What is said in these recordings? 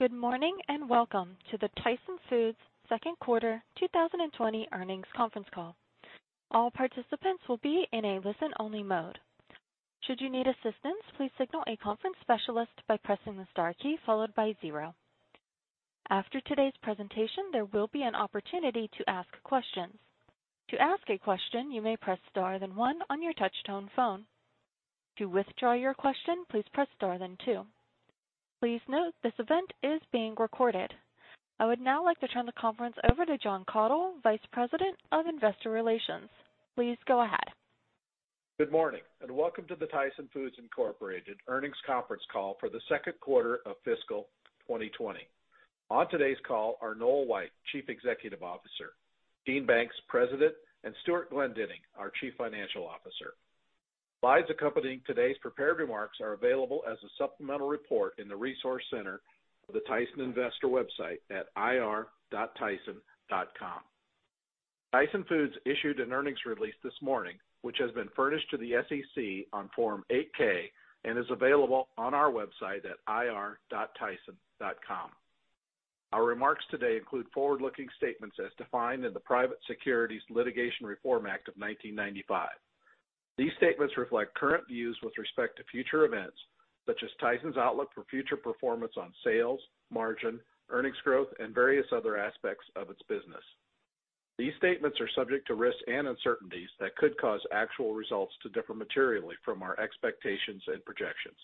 Good morning, and welcome to the Tyson Foods Q2 2020 earnings conference call. All participants will be in a listen only mode. Should you need assistance, please signal a conference specialist by pressing the star key followed by zero. After today's presentation, there will be an opportunity to ask questions. To ask a question, you may press star then one on your touch tone phone. To withdraw your question, please press star then two. Please note, this event is being recorded. I would now like to turn the conference over to Jon Kathol, Vice President of Investor Relations. Please go ahead. Good morning, welcome to the Tyson Foods, Inc. earnings conference call for Q2 of fiscal 2020. On today's call are Noel White, Chief Executive Officer, Dean Banks, President, Stewart Glendinning, our Chief Financial Officer. Slides accompanying today's prepared remarks are available as a supplemental report in the resource center of the Tyson investor website at ir.tyson.com. Tyson Foods issued an earnings release this morning, which has been furnished to the SEC on Form 8-K, is available on our website at ir.tyson.com. Our remarks today include forward-looking statements as defined in the Private Securities Litigation Reform Act of 1995. These statements reflect current views with respect to future events, such as Tyson's outlook for future performance on sales, margin, earnings growth, and various other aspects of its business. These statements are subject to risks and uncertainties that could cause actual results to differ materially from our expectations and projections.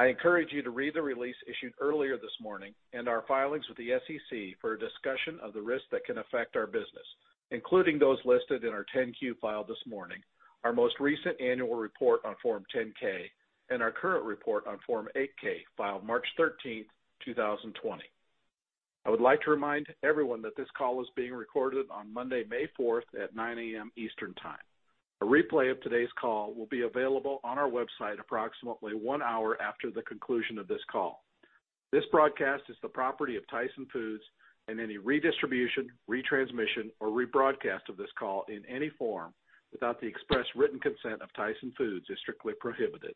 I encourage you to read the release issued earlier this morning and our filings with the SEC for a discussion of the risks that can affect our business, including those listed in our 10-Q filed this morning, our most recent annual report on Form 10-K, and our current report on Form 8-K, filed March 13, 2020. I would like to remind everyone that this call is being recorded on Monday, May 4th at 9:00 A.M. Eastern Time. A replay of today's call will be available on our website approximately one hour after the conclusion of this call. This broadcast is the property of Tyson Foods, and any redistribution, retransmission, or rebroadcast of this call in any form without the express written consent of Tyson Foods is strictly prohibited.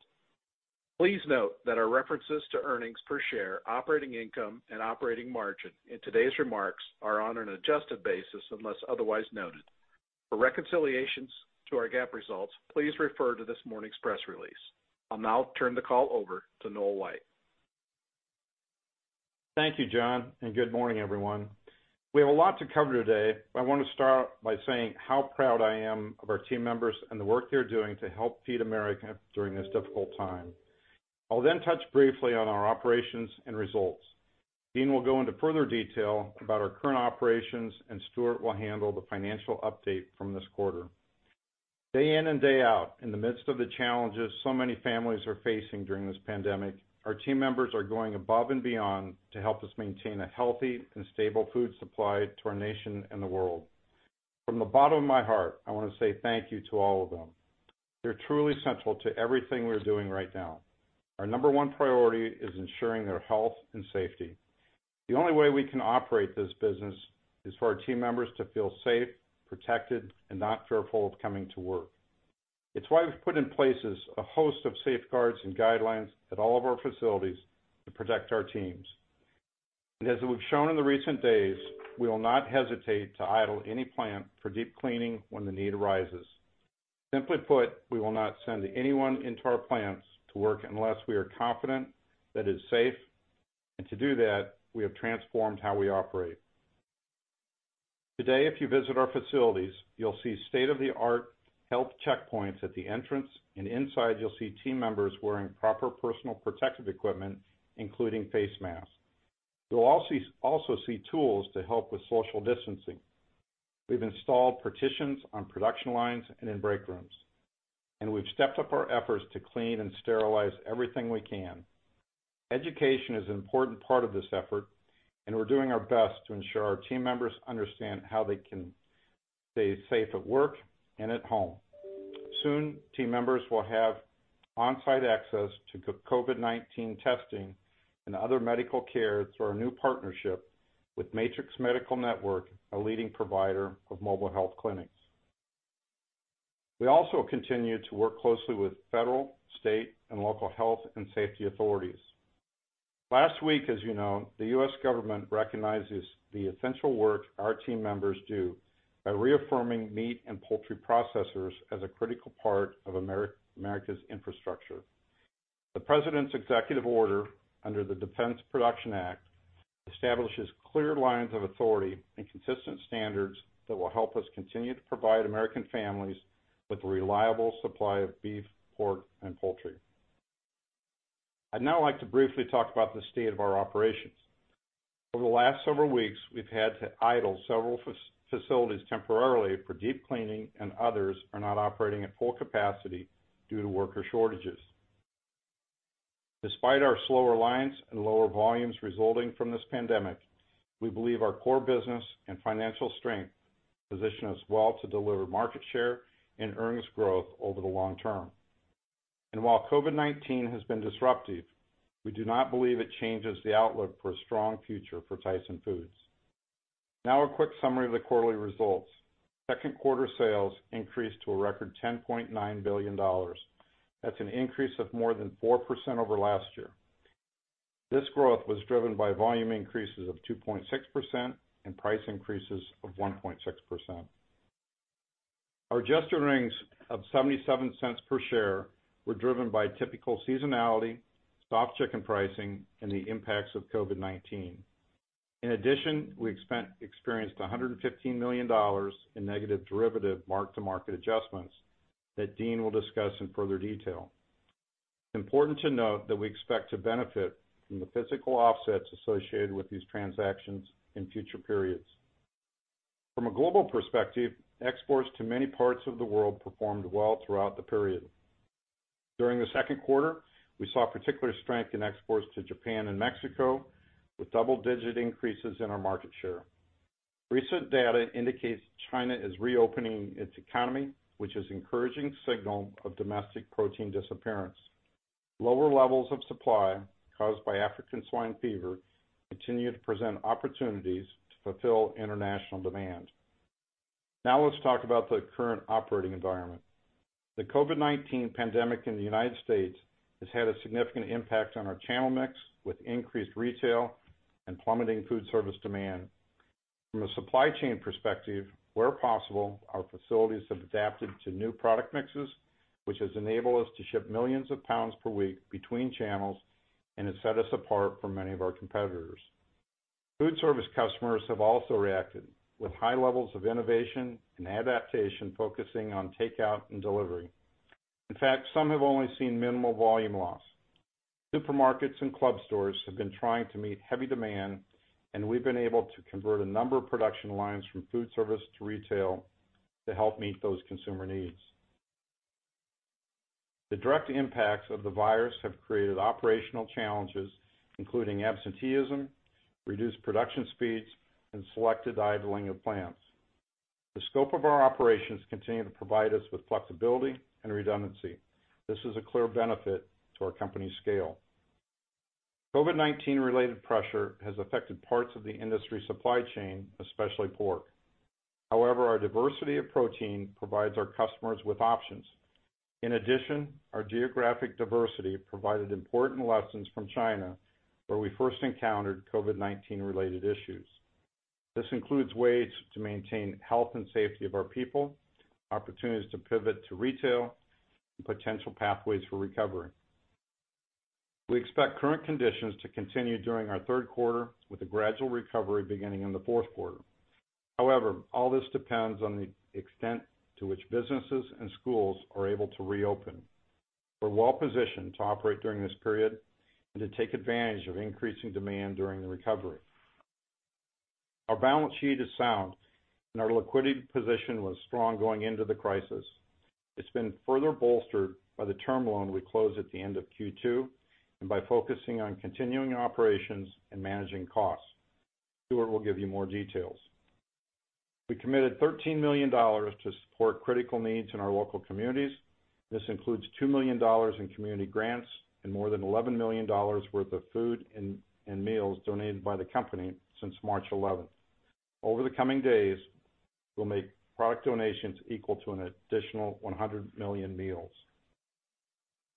Please note that our references to earnings per share, operating income, and operating margin in today's remarks are on an adjusted basis unless otherwise noted. For reconciliations to our GAAP results, please refer to this morning's press release. I'll now turn the call over to Noel White. Thank you, Jon, and good morning, everyone. We have a lot to cover today, but I want to start by saying how proud I am of our team members and the work they're doing to help feed America during this difficult time. I'll then touch briefly on our operations and results. Dean will go into further detail about our current operations, and Stewart will handle the financial update from this quarter. Day in and day out, in the midst of the challenges so many families are facing during this pandemic, our team members are going above and beyond to help us maintain a healthy and stable food supply to our nation and the world. From the bottom of my heart, I want to say thank you to all of them. They're truly central to everything we're doing right now. Our number one priority is ensuring their health and safety. The only way we can operate this business is for our team members to feel safe, protected, and not fearful of coming to work. It's why we've put in places a host of safeguards and guidelines at all of our facilities to protect our teams. As we've shown in the recent days, we will not hesitate to idle any plant for deep cleaning when the need arises. Simply put, we will not send anyone into our plants to work unless we are confident that it is safe. To do that, we have transformed how we operate. Today, if you visit our facilities, you'll see state-of-the-art health checkpoints at the entrance, and inside you'll see team members wearing proper personal protective equipment, including face masks. You'll also see tools to help with social distancing. We've installed partitions on production lines and in break rooms. We've stepped up our efforts to clean and sterilize everything we can. Education is an important part of this effort, and we're doing our best to ensure our team members understand how they can stay safe at work and at home. Soon, team members will have on-site access to COVID-19 testing and other medical care through our new partnership with Matrix Medical Network, a leading provider of mobile health clinics. We also continue to work closely with federal, state, and local health and safety authorities. Last week, as you know, the U.S. government recognizes the essential work our team members do by reaffirming meat and poultry processors as a critical part of America's infrastructure. The president's executive order under the Defense Production Act establishes clear lines of authority and consistent standards that will help us continue to provide American families with a reliable supply of beef, pork, and poultry. I'd now like to briefly talk about the state of our operations. Over the last several weeks, we've had to idle several facilities temporarily for deep cleaning, and others are not operating at full capacity due to worker shortages. Despite our slower lines and lower volumes resulting from this pandemic, we believe our core business and financial strength position us well to deliver market share and earnings growth over the long term. While COVID-19 has been disruptive, we do not believe it changes the outlook for a strong future for Tyson Foods. Now a quick summary of the quarterly results. Second quarter sales increased to a record $10.9 billion. That's an increase of more than 4% over last year. This growth was driven by volume increases of 2.6% and price increases of 1.6%. Our adjusted earnings of $0.77 per share were driven by typical seasonality, soft chicken pricing, and the impacts of COVID-19. In addition, we experienced $115 million in negative derivative mark-to-market adjustments that Dean will discuss in further detail. It's important to note that we expect to benefit from the physical offsets associated with these transactions in future periods. From a global perspective, exports to many parts of the world performed well throughout the period. During Q2, we saw particular strength in exports to Japan and Mexico, with double-digit increases in our market share. Recent data indicates China is reopening its economy, which is encouraging signal of domestic protein disappearance. Lower levels of supply caused by African swine fever continue to present opportunities to fulfill international demand. Let's talk about the current operating environment. The COVID-19 pandemic in the U.S. has had a significant impact on our channel mix, with increased retail and plummeting food service demand. From a supply chain perspective, where possible, our facilities have adapted to new product mixes, which has enabled us to ship millions of pounds per week between channels and has set us apart from many of our competitors. Food service customers have also reacted with high levels of innovation and adaptation focusing on takeout and delivery. In fact, some have only seen minimal volume loss. Supermarkets and club stores have been trying to meet heavy demand, and we've been able to convert a number of production lines from food service to retail to help meet those consumer needs. The direct impacts of the virus have created operational challenges, including absenteeism, reduced production speeds, and selected idling of plants. The scope of our operations continue to provide us with flexibility and redundancy. This is a clear benefit to our company's scale. COVID-19-related pressure has affected parts of the industry supply chain, especially pork. However, our diversity of protein provides our customers with options. In addition, our geographic diversity provided important lessons from China, where we first encountered COVID-19-related issues. This includes ways to maintain health and safety of our people, opportunities to pivot to retail, and potential pathways for recovery. We expect current conditions to continue during our third quarter, with a gradual recovery beginning in the fourth quarter. However, all this depends on the extent to which businesses and schools are able to reopen. We're well-positioned to operate during this period and to take advantage of increasing demand during the recovery. Our balance sheet is sound, and our liquidity position was strong going into the crisis. It's been further bolstered by the term loan we closed at the end of Q2 and by focusing on continuing operations and managing costs. Stewart will give you more details. We committed $13 million to support critical needs in our local communities. This includes $2 million in community grants and more than $11 million worth of food and meals donated by the company since March 11th. Over the coming days, we'll make product donations equal to an additional 100 million meals.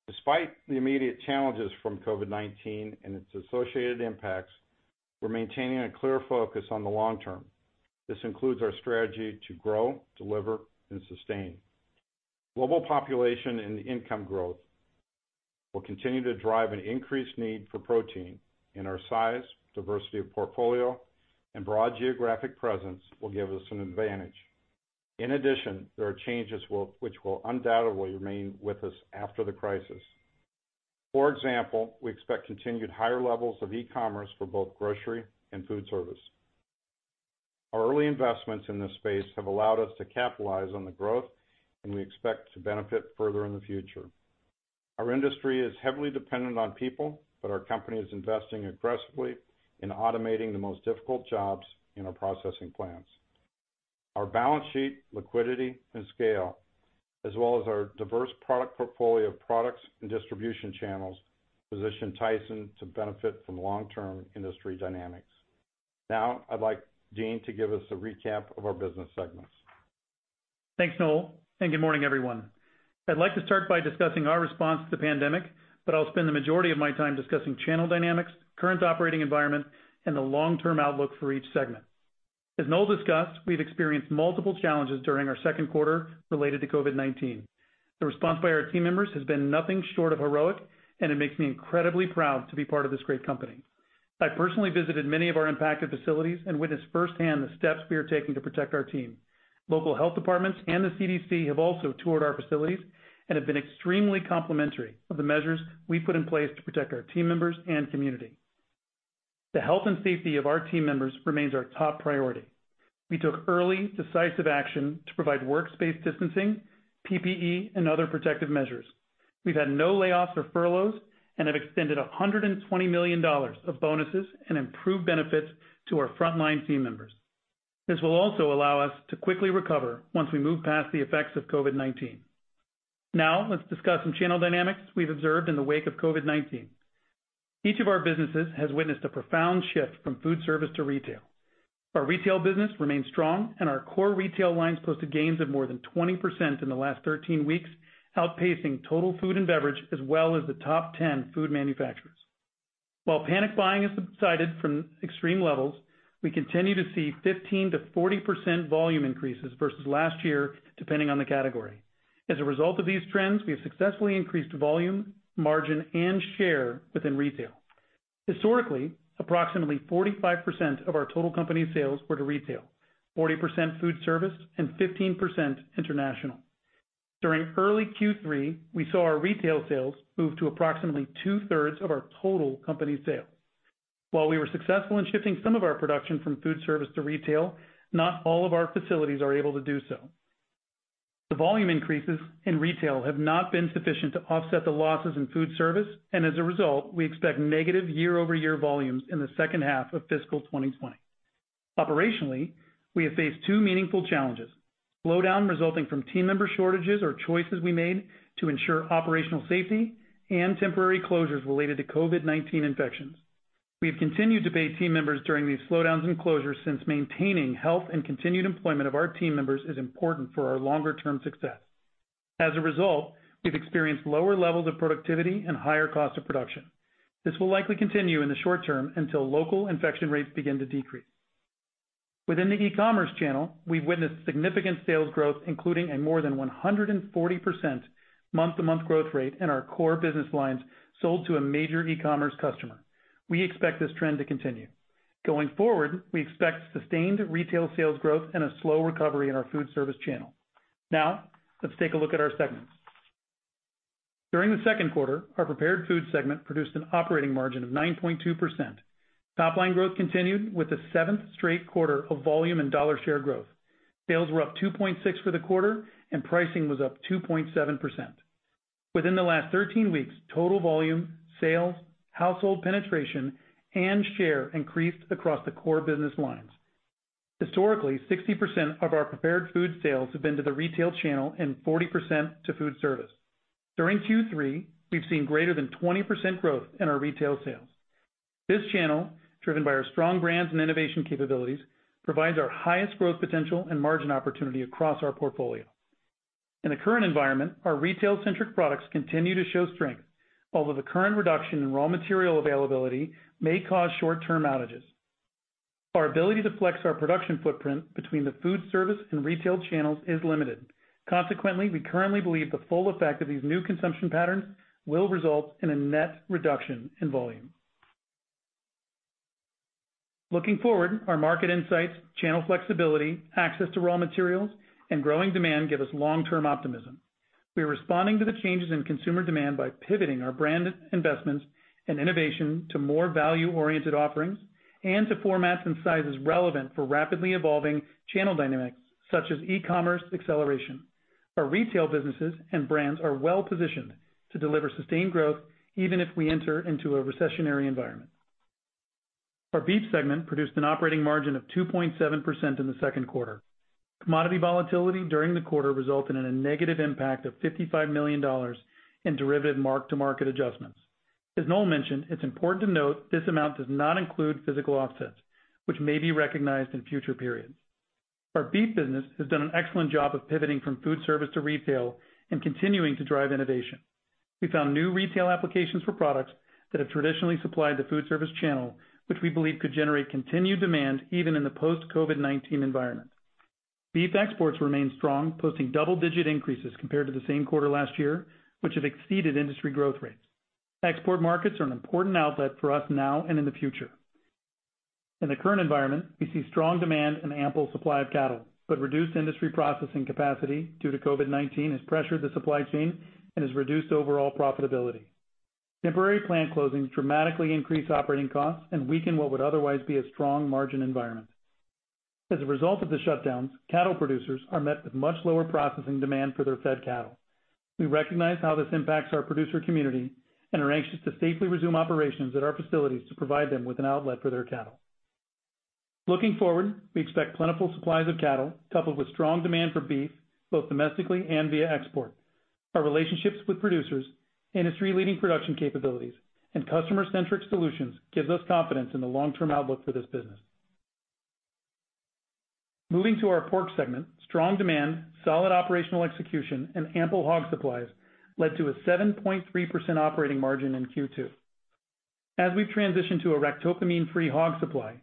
Despite the immediate challenges from COVID-19 and its associated impacts, we're maintaining a clear focus on the long term. This includes our strategy to grow, deliver, and sustain. Global population and income growth will continue to drive an increased need for protein in our size, diversity of portfolio, and broad geographic presence will give us an advantage. There are changes which will undoubtedly remain with us after the crisis. We expect continued higher levels of e-commerce for both grocery and food service. Our early investments in this space have allowed us to capitalize on the growth, and we expect to benefit further in the future. Our industry is heavily dependent on people, but our company is investing aggressively in automating the most difficult jobs in our processing plants. Our balance sheet, liquidity, and scale, as well as our diverse product portfolio of products and distribution channels, position Tyson to benefit from long-term industry dynamics. I'd like Dean to give us a recap of our business segments. Thanks, Noel, and good morning, everyone. I'd like to start by discussing our response to the pandemic, but I'll spend the majority of my time discussing channel dynamics, current operating environment, and the long-term outlook for each segment. As Noel discussed, we've experienced multiple challenges during our Q2 related to COVID-19. The response by our team members has been nothing short of heroic, and it makes me incredibly proud to be part of this great company. I personally visited many of our impacted facilities and witnessed firsthand the steps we are taking to protect our team. Local health departments and the CDC have also toured our facilities and have been extremely complimentary of the measures we've put in place to protect our team members and community. The health and safety of our team members remains our top priority. We took early, decisive action to provide workspace distancing, PPE, and other protective measures. We've had no layoffs or furloughs and have extended $120 million of bonuses and improved benefits to our frontline team members. This will also allow us to quickly recover once we move past the effects of COVID-19. Now, let's discuss some channel dynamics we've observed in the wake of COVID-19. Each of our businesses has witnessed a profound shift from food service to retail. Our retail business remains strong, and our core retail lines posted gains of more than 20% in the last 13 weeks, outpacing total food and beverage, as well as the top 10 food manufacturers. While panic buying has subsided from extreme levels, we continue to see 15%-40% volume increases versus last year, depending on the category. As a result of these trends, we have successfully increased volume, margin, and share within retail. Historically, approximately 45% of our total company sales were to retail, 40% food service, and 15% international. During early Q3, we saw our retail sales move to approximately two-thirds of our total company sales. While we were successful in shifting some of our production from food service to retail, not all of our facilities are able to do so. The volume increases in retail have not been sufficient to offset the losses in food service, and as a result, we expect negative year-over-year volumes in the second half of fiscal 2020. Operationally, we have faced two meaningful challenges, slowdown resulting from team member shortages or choices we made to ensure operational safety, and temporary closures related to COVID-19 infections. We have continued to pay team members during these slowdowns and closures since maintaining health and continued employment of our team members is important for our longer-term success. As a result, we've experienced lower levels of productivity and higher cost of production. This will likely continue in the short term until local infection rates begin to decrease. Within the e-commerce channel, we've witnessed significant sales growth, including a more than 140% month-to-month growth rate in our core business lines sold to a major e-commerce customer. We expect this trend to continue. Going forward, we expect sustained retail sales growth and a slow recovery in our food service channel. Now, let's take a look at our segments. During the second quarter, our prepared food segment produced an operating margin of 9.2%. Top-line growth continued with the seventh straight quarter of volume and dollar share growth. Sales were up 2.6% for the quarter and pricing was up 2.7%. Within the last 13 weeks, total volume, sales, household penetration, and share increased across the core business lines. Historically, 60% of our prepared food sales have been to the retail channel and 40% to food service. During Q3, we've seen greater than 20% growth in our retail sales. This channel, driven by our strong brands and innovation capabilities, provides our highest growth potential and margin opportunity across our portfolio. In the current environment, our retail-centric products continue to show strength, although the current reduction in raw material availability may cause short-term outages. Our ability to flex our production footprint between the food service and retail channels is limited. Consequently, we currently believe the full effect of these new consumption patterns will result in a net reduction in volume. Looking forward, our market insights, channel flexibility, access to raw materials, and growing demand give us long-term optimism. We are responding to the changes in consumer demand by pivoting our brand investments and innovation to more value-oriented offerings and to formats and sizes relevant for rapidly evolving channel dynamics, such as e-commerce acceleration. Our retail businesses and brands are well-positioned to deliver sustained growth even if we enter into a recessionary environment. Our beef segment produced an operating margin of 2.7% in the second quarter. Commodity volatility during the quarter resulted in a negative impact of $55 million in derivative mark-to-market adjustments. As Noel mentioned, it's important to note this amount does not include physical offsets, which may be recognized in future periods. Our beef business has done an excellent job of pivoting from food service to retail and continuing to drive innovation. We found new retail applications for products that have traditionally supplied the food service channel, which we believe could generate continued demand even in the post-COVID-19 environment. Beef exports remain strong, posting double-digit increases compared to the same quarter last year, which have exceeded industry growth rates. Export markets are an important outlet for us now and in the future. In the current environment, we see strong demand and ample supply of cattle, but reduced industry processing capacity due to COVID-19 has pressured the supply chain and has reduced overall profitability. Temporary plant closings dramatically increase operating costs and weaken what would otherwise be a strong margin environment. As a result of the shutdowns, cattle producers are met with much lower processing demand for their fed cattle. We recognize how this impacts our producer community and are anxious to safely resume operations at our facilities to provide them with an outlet for their cattle. Looking forward, we expect plentiful supplies of cattle coupled with strong demand for beef, both domestically and via export. Our relationships with producers, industry-leading production capabilities, and customer-centric solutions give us confidence in the long-term outlook for this business. Moving to our pork segment, strong demand, solid operational execution, and ample hog supplies led to a 7.3% operating margin in Q2. As we've transitioned to a ractopamine-free hog supply,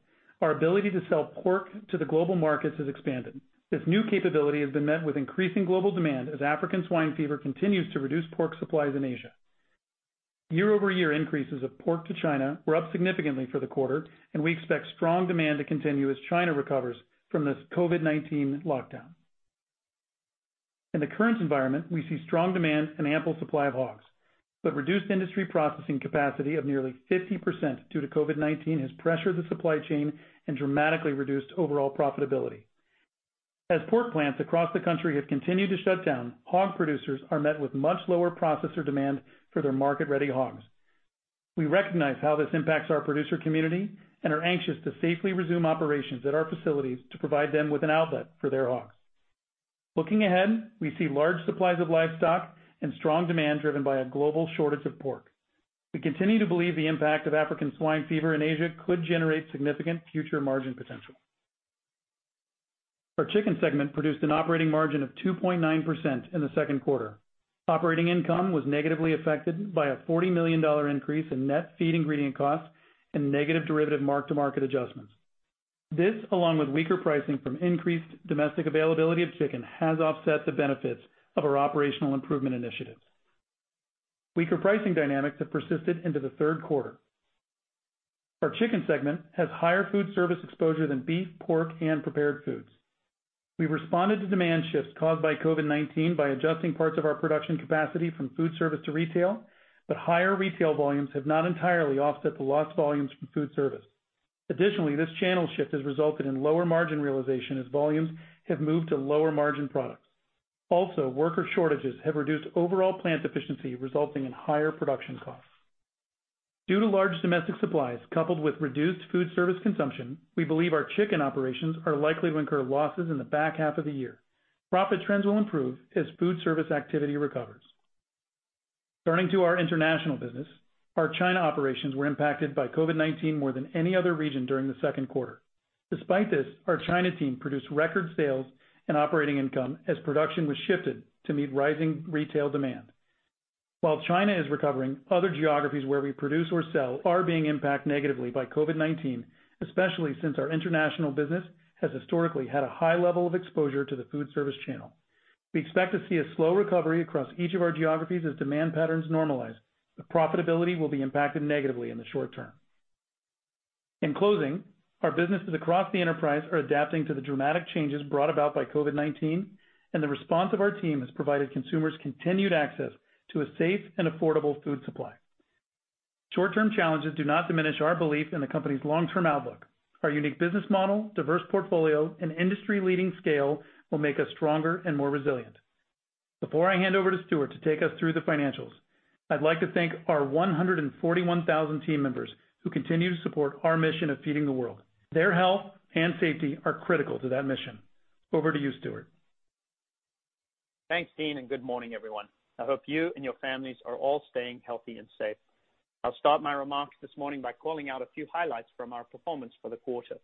our ability to sell pork to the global markets has expanded. This new capability has been met with increasing global demand as African swine fever continues to reduce pork supplies in Asia. Year-over-year increases of pork to China were up significantly for the quarter, and we expect strong demand to continue as China recovers from this COVID-19 lockdown. In the current environment, we see strong demand and ample supply of hogs, but reduced industry processing capacity of nearly 50% due to COVID-19 has pressured the supply chain and dramatically reduced overall profitability. As pork plants across the country have continued to shut down, hog producers are met with much lower processor demand for their market-ready hogs. We recognize how this impacts our producer community and are anxious to safely resume operations at our facilities to provide them with an outlet for their hogs. Looking ahead, we see large supplies of livestock and strong demand driven by a global shortage of pork. We continue to believe the impact of African swine fever in Asia could generate significant future margin potential. Our chicken segment produced an operating margin of 2.9% in the second quarter. Operating income was negatively affected by a $40 million increase in net feed ingredient costs and negative derivative mark-to-market adjustments. This, along with weaker pricing from increased domestic availability of chicken, has offset the benefits of our operational improvement initiatives. Weaker pricing dynamics have persisted into the third quarter. Our chicken segment has higher food service exposure than beef, pork, and prepared foods. We've responded to demand shifts caused by COVID-19 by adjusting parts of our production capacity from food service to retail, but higher retail volumes have not entirely offset the lost volumes from food service. Additionally, this channel shift has resulted in lower margin realization as volumes have moved to lower margin products. Also, worker shortages have reduced overall plant efficiency, resulting in higher production costs. Due to large domestic supplies coupled with reduced food service consumption, we believe our chicken operations are likely to incur losses in the back half of the year. Profit trends will improve as food service activity recovers. Turning to our international business, our China operations were impacted by COVID-19 more than any other region during the second quarter. Despite this, our China team produced record sales and operating income as production was shifted to meet rising retail demand. While China is recovering, other geographies where we produce or sell are being impacted negatively by COVID-19, especially since our international business has historically had a high level of exposure to the food service channel. We expect to see a slow recovery across each of our geographies as demand patterns normalize, but profitability will be impacted negatively in the short term. In closing, our businesses across the enterprise are adapting to the dramatic changes brought about by COVID-19, and the response of our team has provided consumers continued access to a safe and affordable food supply. Short-term challenges do not diminish our belief in the company's long-term outlook. Our unique business model, diverse portfolio, and industry-leading scale will make us stronger and more resilient. Before I hand over to Stewart to take us through the financials, I'd like to thank our 141,000 team members who continue to support our mission of feeding the world. Their health and safety are critical to that mission. Over to you, Stewart. Thanks, Dean. Good morning, everyone. I hope you and your families are all staying healthy and safe. I'll start my remarks this morning by calling out a few highlights from our performance for the quarter.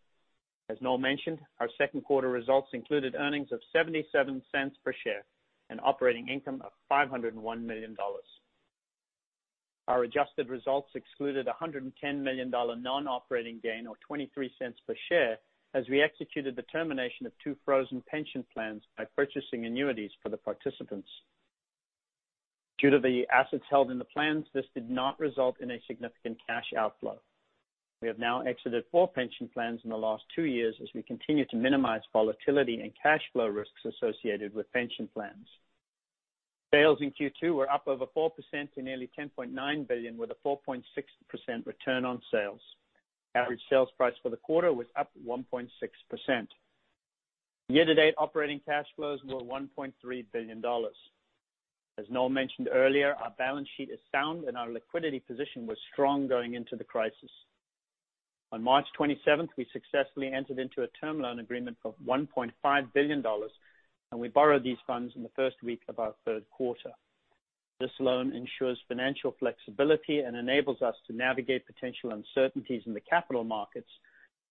As Noel mentioned, our Q2 results included earnings of $0.77 per share and operating income of $501 million. Our adjusted results excluded $110 million non-operating gain or $0.23 per share as we executed the termination of two frozen pension plans by purchasing annuities for the participants. Due to the assets held in the plans, this did not result in a significant cash outflow. We have now exited four pension plans in the last two years as we continue to minimize volatility and cash flow risks associated with pension plans. Sales in Q2 were up over 4% to nearly $10.9 billion, with a 4.6% return on sales. Average sales price for the quarter was up 1.6%. Year-to-date operating cash flows were $1.3 billion. As Noel mentioned earlier, our balance sheet is sound, and our liquidity position was strong going into the crisis. On March 27th, we successfully entered into a term loan agreement for $1.5 billion. We borrowed these funds in the first week of our third quarter. This loan ensures financial flexibility and enables us to navigate potential uncertainties in the capital markets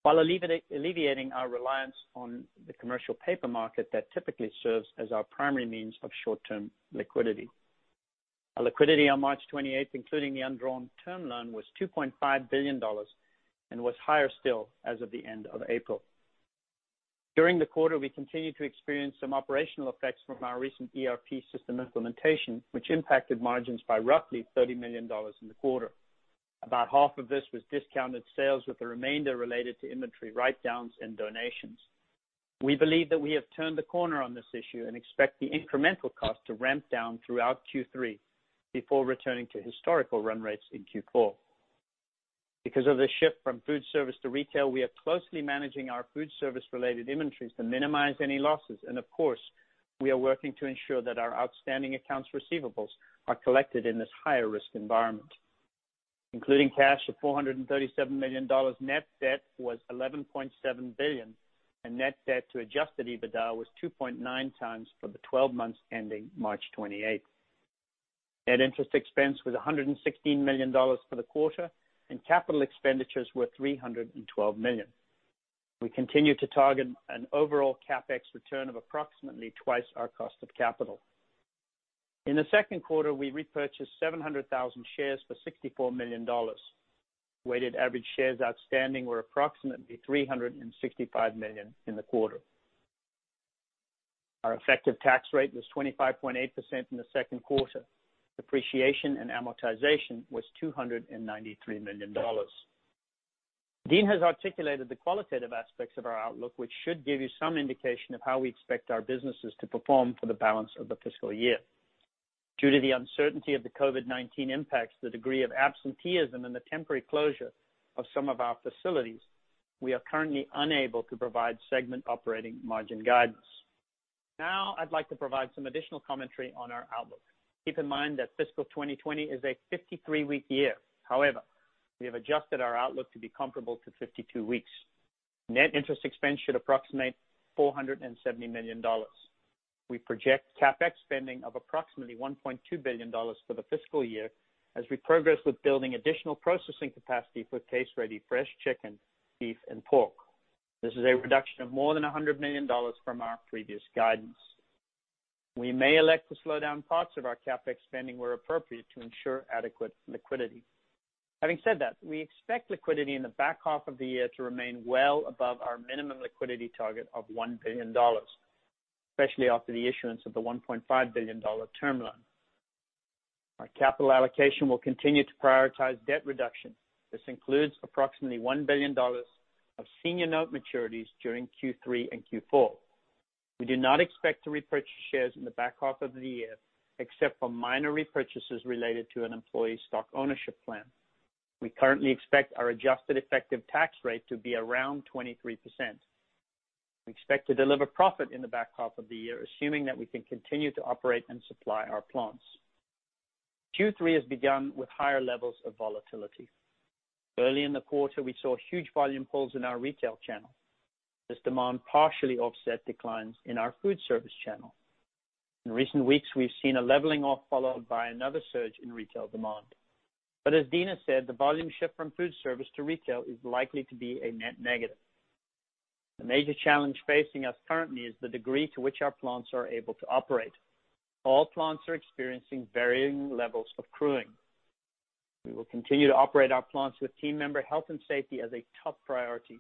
while alleviating our reliance on the commercial paper market that typically serves as our primary means of short-term liquidity. Our liquidity on March 28th, including the undrawn term loan, was $2.5 billion and was higher still as of the end of April. During the quarter, we continued to experience some operational effects from our recent ERP system implementation, which impacted margins by roughly $30 million in the quarter. About half of this was discounted sales, with the remainder related to inventory write-downs and donations. We believe that we have turned the corner on this issue and expect the incremental cost to ramp down throughout Q3 before returning to historical run rates in Q4. Because of the shift from food service to retail, we are closely managing our food service-related inventories to minimize any losses, and of course, we are working to ensure that our outstanding accounts receivables are collected in this higher-risk environment. Including cash of $437 million, net debt was $11.7 billion, and net debt to adjusted EBITDA was 2.9 times for the 12 months ending March 28th. Net interest expense was $116 million for the quarter, and capital expenditures were $312 million. We continue to target an overall CapEx return of approximately twice our cost of capital. In Q2, we repurchased 700,000 shares for $64 million. Weighted average shares outstanding were approximately 365 million in the quarter. Our effective tax rate was 25.8% in the second quarter. Depreciation and amortization was $293 million. Dean has articulated the qualitative aspects of our outlook, which should give you some indication of how we expect our businesses to perform for the balance of the fiscal year. Due to the uncertainty of the COVID-19 impacts, the degree of absenteeism, and the temporary closure of some of our facilities, we are currently unable to provide segment operating margin guidance. Now I'd like to provide some additional commentary on our outlook. Keep in mind that fiscal 2020 is a 53-week year. However, we have adjusted our outlook to be comparable to 52 weeks. Net interest expense should approximate $470 million. We project CapEx spending of approximately $1.2 billion for the fiscal year as we progress with building additional processing capacity for case-ready fresh chicken, beef, and pork. This is a reduction of more than $100 million from our previous guidance. We may elect to slow down parts of our CapEx spending where appropriate to ensure adequate liquidity. Having said that, we expect liquidity in the back half of the year to remain well above our minimum liquidity target of $1 billion, especially after the issuance of the $1.5 billion term loan. Our capital allocation will continue to prioritize debt reduction. This includes approximately $1 billion of senior note maturities during Q3 and Q4. We do not expect to repurchase shares in the back half of the year, except for minor repurchases related to an employee stock ownership plan. We currently expect our adjusted effective tax rate to be around 23%. We expect to deliver profit in the back half of the year, assuming that we can continue to operate and supply our plants. Q3 has begun with higher levels of volatility. Early in the quarter, we saw huge volume pulls in our retail channel. This demand partially offset declines in our food service channel. In recent weeks, we've seen a leveling off followed by another surge in retail demand. As Dean said, the volume shift from food service to retail is likely to be a net negative. The major challenge facing us currently is the degree to which our plants are able to operate. All plants are experiencing varying levels of crewing. We will continue to operate our plants with team member health and safety as a top priority.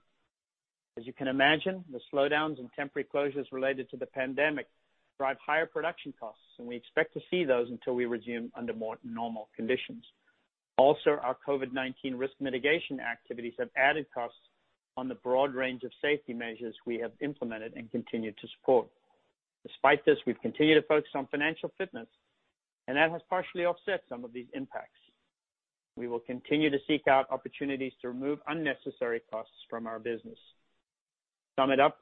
As you can imagine, the slowdowns and temporary closures related to the pandemic drive higher production costs, and we expect to see those until we resume under more normal conditions. Our COVID-19 risk mitigation activities have added costs on the broad range of safety measures we have implemented and continue to support. Despite this, we've continued to focus on financial fitness, and that has partially offset some of these impacts. We will continue to seek out opportunities to remove unnecessary costs from our business. To sum it up,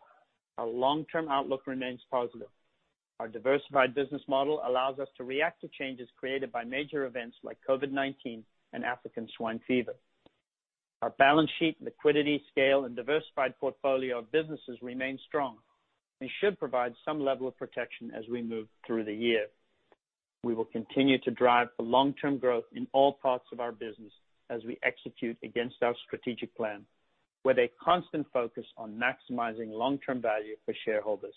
our long-term outlook remains positive. Our diversified business model allows us to react to changes created by major events like COVID-19 and African swine fever. Our balance sheet liquidity, scale, and diversified portfolio of businesses remain strong and should provide some level of protection as we move through the year. We will continue to drive for long-term growth in all parts of our business as we execute against our strategic plan with a constant focus on maximizing long-term value for shareholders.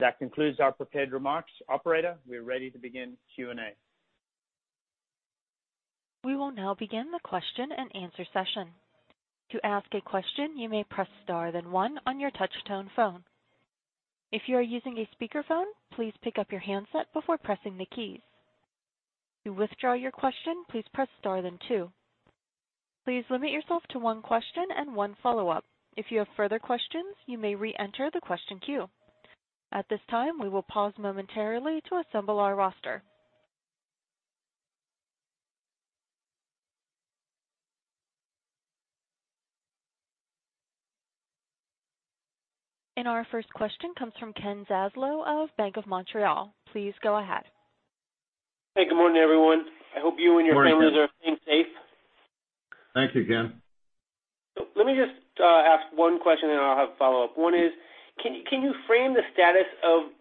That concludes our prepared remarks. Operator, we are ready to begin Q&A. We will now begin the question-and-answer session. To ask a question, you may press star, then one on your touch-tone phone. If you are using a speakerphone, please pick up your handset before pressing the keys. To withdraw your question, please press star then two. Please limit yourself to one question and one follow-up. If you have further questions, you may reenter the question queue. At this time, we will pause momentarily to assemble our roster. Our first question comes from Kenneth Zaslow of BMO Capital Markets. Please go ahead. Hey, good morning, everyone. I hope you and your families. Morning, Ken. are staying safe. Thanks again. Let me just ask one question, and then I'll have a follow-up. One is, can you frame the status of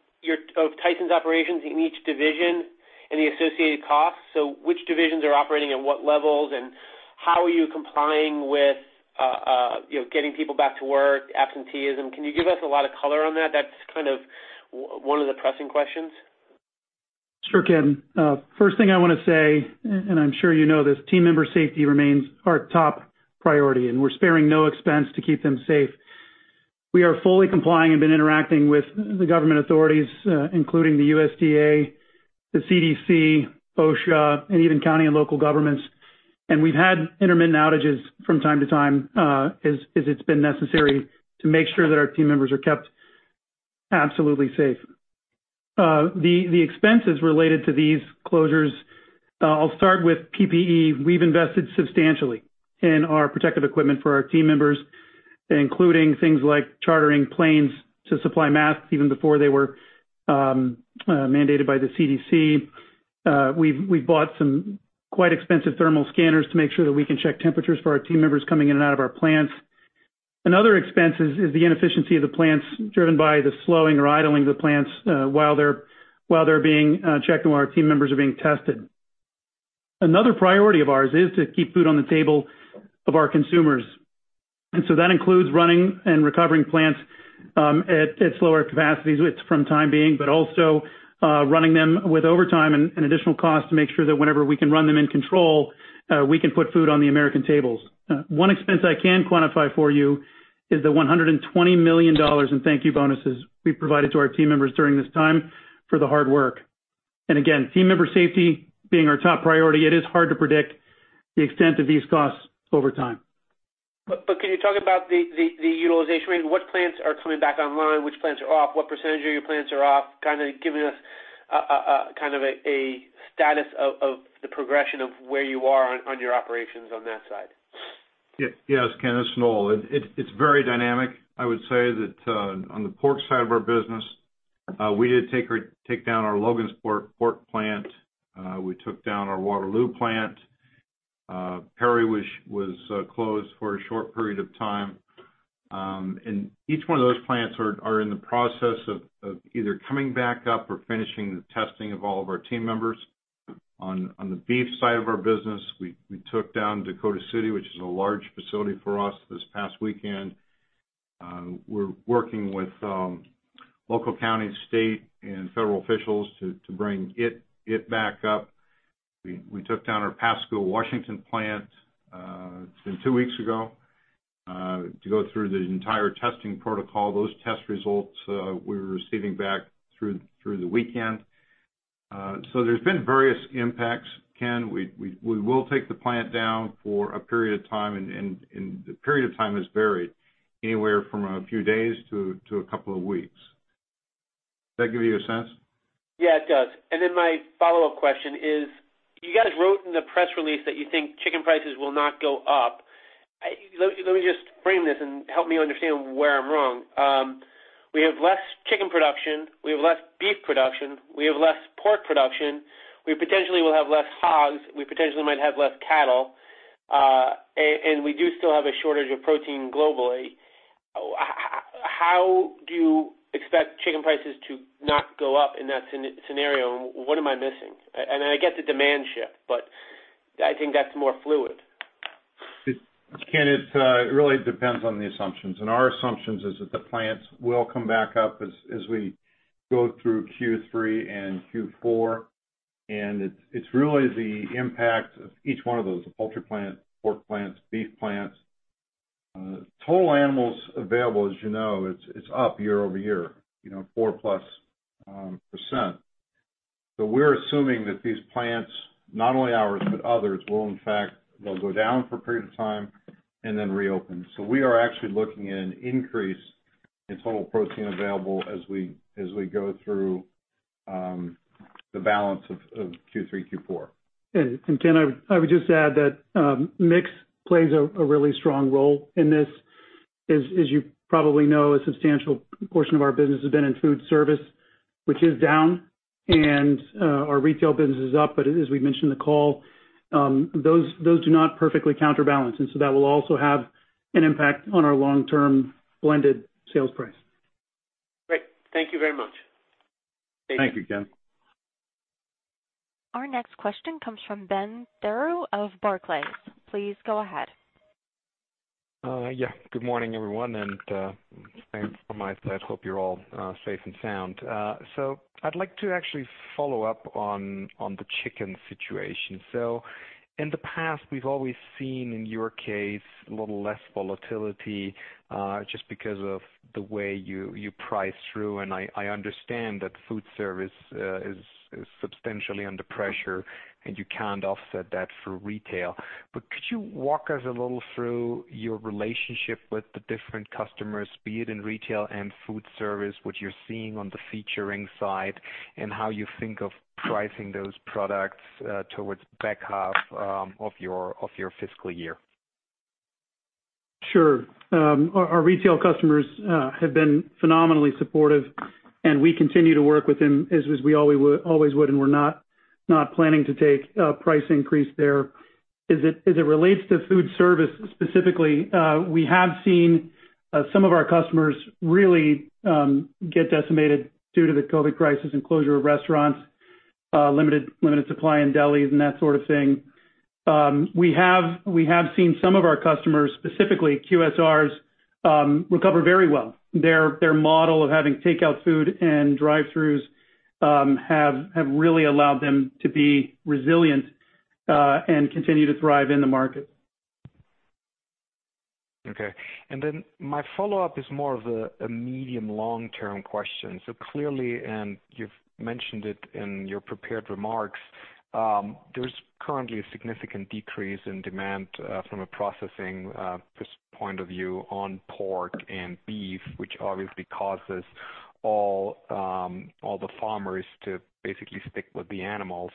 Tyson's operations in each division and the associated costs? Which divisions are operating at what levels, and how are you complying with getting people back to work, absenteeism? Can you give us a lot of color on that? That's one of the pressing questions. Sure, Ken. First thing I want to say, I'm sure you know this, team member safety remains our top priority, and we're sparing no expense to keep them safe. We are fully complying and been interacting with the government authorities, including the USDA, the CDC, OSHA, and even county and local governments. We've had intermittent outages from time to time as it's been necessary to make sure that our team members are kept absolutely safe. The expenses related to these closures, I'll start with PPE. We've invested substantially in our protective equipment for our team members, including things like chartering planes to supply masks even before they were mandated by the CDC. We've bought some quite expensive thermal scanners to make sure that we can check temperatures for our team members coming in and out of our plants. Another expense is the inefficiency of the plants driven by the slowing or idling of the plants while they're being checked and while our team members are being tested. Another priority of ours is to keep food on the table of our consumers. That includes running and recovering plants at slower capacities from time being, but also running them with overtime and additional costs to make sure that whenever we can run them in control, we can put food on the American tables. One expense I can quantify for you is the $120 million in thank you bonuses we've provided to our team members during this time for the hard work. Team member safety being our top priority, it is hard to predict the extent of these costs over time. Can you talk about the utilization rate? What plants are coming back online, which plants are off, what percentage of your plants are off, giving us a status of the progression of where you are on your operations on that side? Yes, Ken, it's Noel. It's very dynamic. I would say that on the pork side of our business. We did take down our Logansport pork plant. We took down our Waterloo plant. Perry was closed for a short period of time. Each one of those plants are in the process of either coming back up or finishing the testing of all of our team members. On the beef side of our business, we took down Dakota City, which is a large facility for us, this past weekend. We're working with local county, state, and federal officials to bring it back up. We took down our Pasco, Washington plant, it's been two weeks ago, to go through the entire testing protocol. Those test results we're receiving back through the weekend. There's been various impacts, Ken. We will take the plant down for a period of time, and the period of time is varied, anywhere from a few days to a couple of weeks. Does that give you a sense? Yeah, it does. My follow-up question is, you guys wrote in the press release that you think chicken prices will not go up. Let me just frame this and help me understand where I'm wrong. We have less chicken production, we have less beef production, we have less pork production, we potentially will have less hogs, we potentially might have less cattle, and we do still have a shortage of protein globally. How do you expect chicken prices to not go up in that scenario, and what am I missing? I get the demand shift. I think that's more fluid. Ken, it really depends on the assumptions. Our assumptions is that the plants will come back up as we go through Q3 and Q4, it's really the impact of each one of those poultry plants, pork plants, beef plants. Total animals available, as you know, it's up year-over-year, 4+%. We're assuming that these plants, not only ours, but others will, in fact, they'll go down for a period of time and then reopen. We are actually looking at an increase in total protein available as we go through the balance of Q3, Q4. Ken, I would just add that mix plays a really strong role in this. As you probably know, a substantial portion of our business has been in food service, which is down, and our retail business is up. As we mentioned in the call, those do not perfectly counterbalance, and so that will also have an impact on our long-term blended sales price. Great. Thank you very much. Thank you, Ken. Our next question comes from Benjamin Theurer of Barclays. Please go ahead. Yeah. Good morning, everyone, and thanks from my side. Hope you're all safe and sound. I'd like to actually follow up on the chicken situation. In the past, we've always seen, in your case, a little less volatility, just because of the way you price through, and I understand that food service is substantially under pressure, and you can't offset that through retail. Could you walk us a little through your relationship with the different customers, be it in retail and food service, what you're seeing on the featuring side, and how you think of pricing those products towards the back half of your fiscal year? Sure. Our retail customers have been phenomenally supportive, and we continue to work with them as we always would, and we're not planning to take a price increase there. As it relates to food service specifically, we have seen some of our customers really get decimated due to the COVID crisis and closure of restaurants, limited supply in delis and that sort of thing. We have seen some of our customers, specifically QSRs, recover very well. Their model of having takeout food and drive-throughs have really allowed them to be resilient and continue to thrive in the market. Okay. Then my follow-up is more of a medium, long-term question. Clearly, and you've mentioned it in your prepared remarks, there's currently a significant decrease in demand from a processing point of view on pork and beef, which obviously causes all the farmers to basically stick with the animals.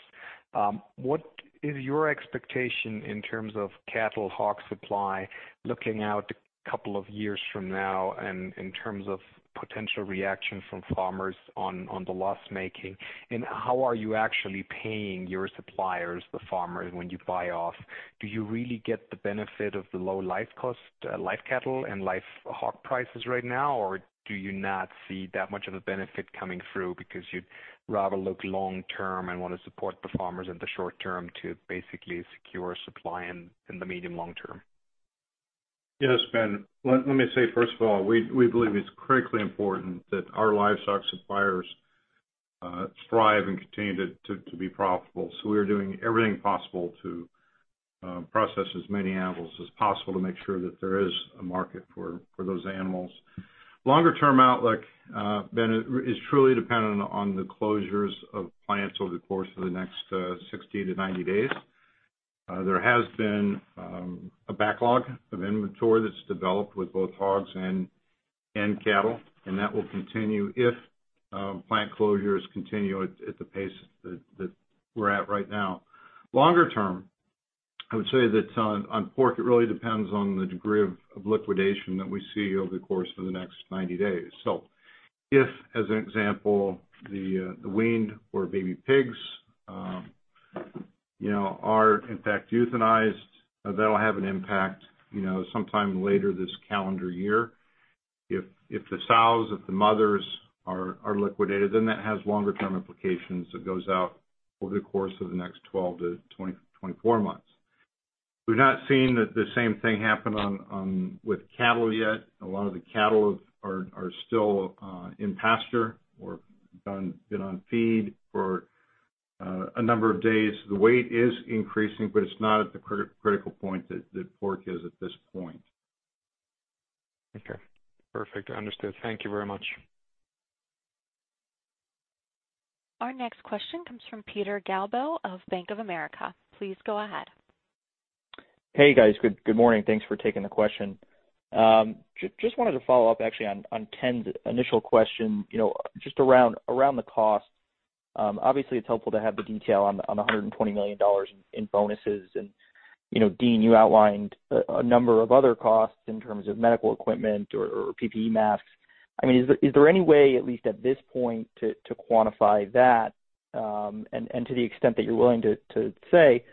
What is your expectation in terms of cattle hog supply looking out a couple of years from now and in terms of potential reaction from farmers on the loss-making, and how are you actually paying your suppliers, the farmers, when you buy off? Do you really get the benefit of the low live cattle and live hog prices right now, or do you not see that much of a benefit coming through because you'd rather look long-term and want to support the farmers in the short term to basically secure supply in the medium, long term? Yes, Ben. Let me say, first of all, we believe it's critically important that our livestock suppliers thrive and continue to be profitable. We are doing everything possible to process as many animals as possible to make sure that there is a market for those animals. Longer term outlook, Ben, is truly dependent on the closures of plants over the course of the next 60-90 days. There has been a backlog of inventory that's developed with both hogs and cattle, and that will continue if plant closures continue at the pace that we're at right now. I would say that on pork, it really depends on the degree of liquidation that we see over the course of the next 90 days. If, as an example, the weaned or baby pigs are in fact euthanized, that'll have an impact sometime later this calendar year. If the sows, if the mothers are liquidated, that has longer-term implications that goes out over the course of the next 12 - 24 months. We've not seen the same thing happen with cattle yet. A lot of the cattle are still in pasture or been on feed for a number of days. The weight is increasing, but it's not at the critical point that pork is at this point. Okay, perfect. Understood. Thank you very much. Our next question comes from Peter Galbo of Bank of America. Please go ahead. Hey, guys. Good morning. Thanks for taking the question. Just wanted to follow up actually on Ken's initial question, just around the cost. Obviously, it's helpful to have the detail on the $120 million in bonuses and Dean, you outlined a number of other costs in terms of medical equipment or PPE masks. Is there any way, at least at this point, to quantify that? To the extent that you're willing to say,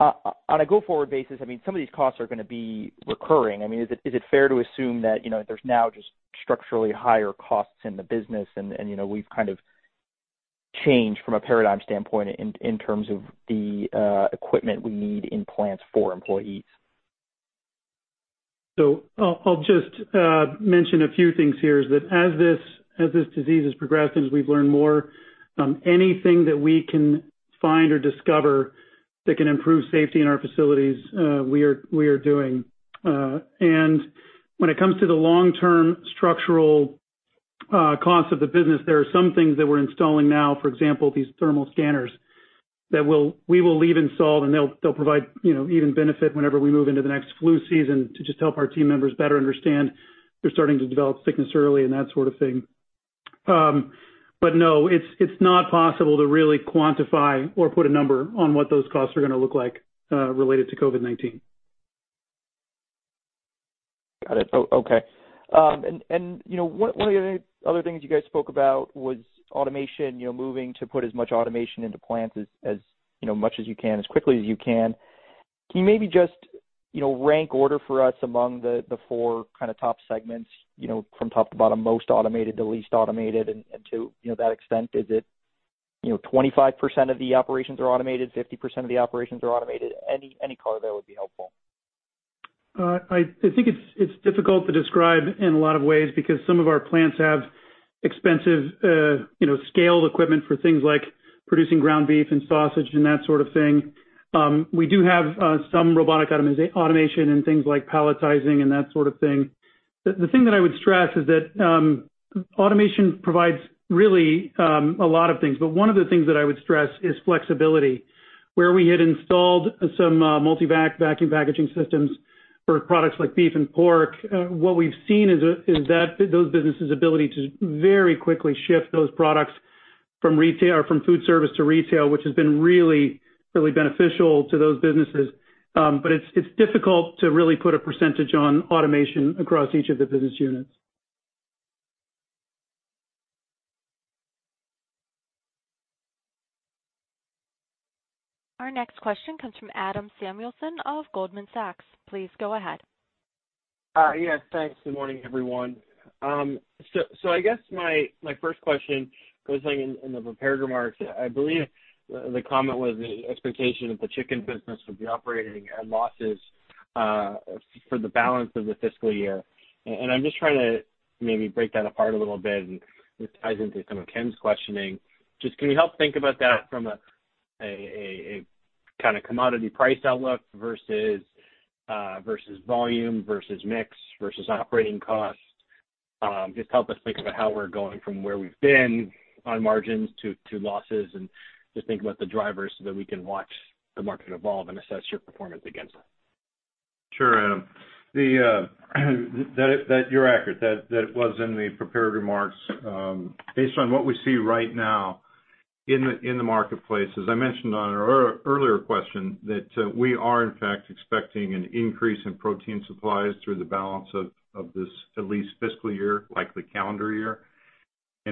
on a go-forward basis, some of these costs are going to be recurring. Is it fair to assume that there's now just structurally higher costs in the business, and we've kind of changed from a paradigm standpoint in terms of the equipment we need in plants for employees? I'll just mention a few things here is that as this disease has progressed, as we've learned more, anything that we can find or discover that can improve safety in our facilities, we are doing. When it comes to the long-term structural costs of the business, there are some things that we're installing now. For example, these thermal scanners that we will leave installed, and they'll provide even benefit whenever we move into the next flu season to just help our team members better understand if they're starting to develop sickness early and that sort of thing. No, it's not possible to really quantify or put a number on what those costs are going to look like related to COVID-19. Got it. Okay. One of the other things you guys spoke about was automation, moving to put as much automation into plants as much as you can, as quickly as you can. Can you maybe just rank order for us among the four top segments, from top to bottom, most automated to least automated? To that extent, is it 25% of the operations are automated, 50% of the operations are automated? Any color there would be helpful. I think it's difficult to describe in a lot of ways because some of our plants have expensive scaled equipment for things like producing ground beef and sausage and that sort of thing. We do have some robotic automation in things like palletizing and that sort of thing. The thing that I would stress is that automation provides really a lot of things, but one of the things that I would stress is flexibility. Where we had installed some multi-vacuum packaging systems for products like beef and pork, what we've seen is those businesses' ability to very quickly shift those products from food service to retail, which has been really beneficial to those businesses. It's difficult to really put a percentage on automation across each of the business units. Our next question comes from Adam Samuelson of Goldman Sachs. Please go ahead. Yes, thanks. Good morning, everyone. I guess my first question goes in the prepared remarks. I believe the comment was the expectation that the chicken business would be operating at losses for the balance of the fiscal year. I'm just trying to maybe break that apart a little bit, and this ties into some of Ken's questioning. Can you help think about that from a kind of commodity price outlook versus volume versus mix versus operating cost? Help us think about how we're going from where we've been on margins to losses and just think about the drivers so that we can watch the market evolve and assess your performance against that. Sure, Adam. You're accurate, that was in the prepared remarks. Based on what we see right now in the marketplace, as I mentioned on an earlier question, that we are in fact expecting an increase in protein supplies through the balance of this at least fiscal year, likely calendar year.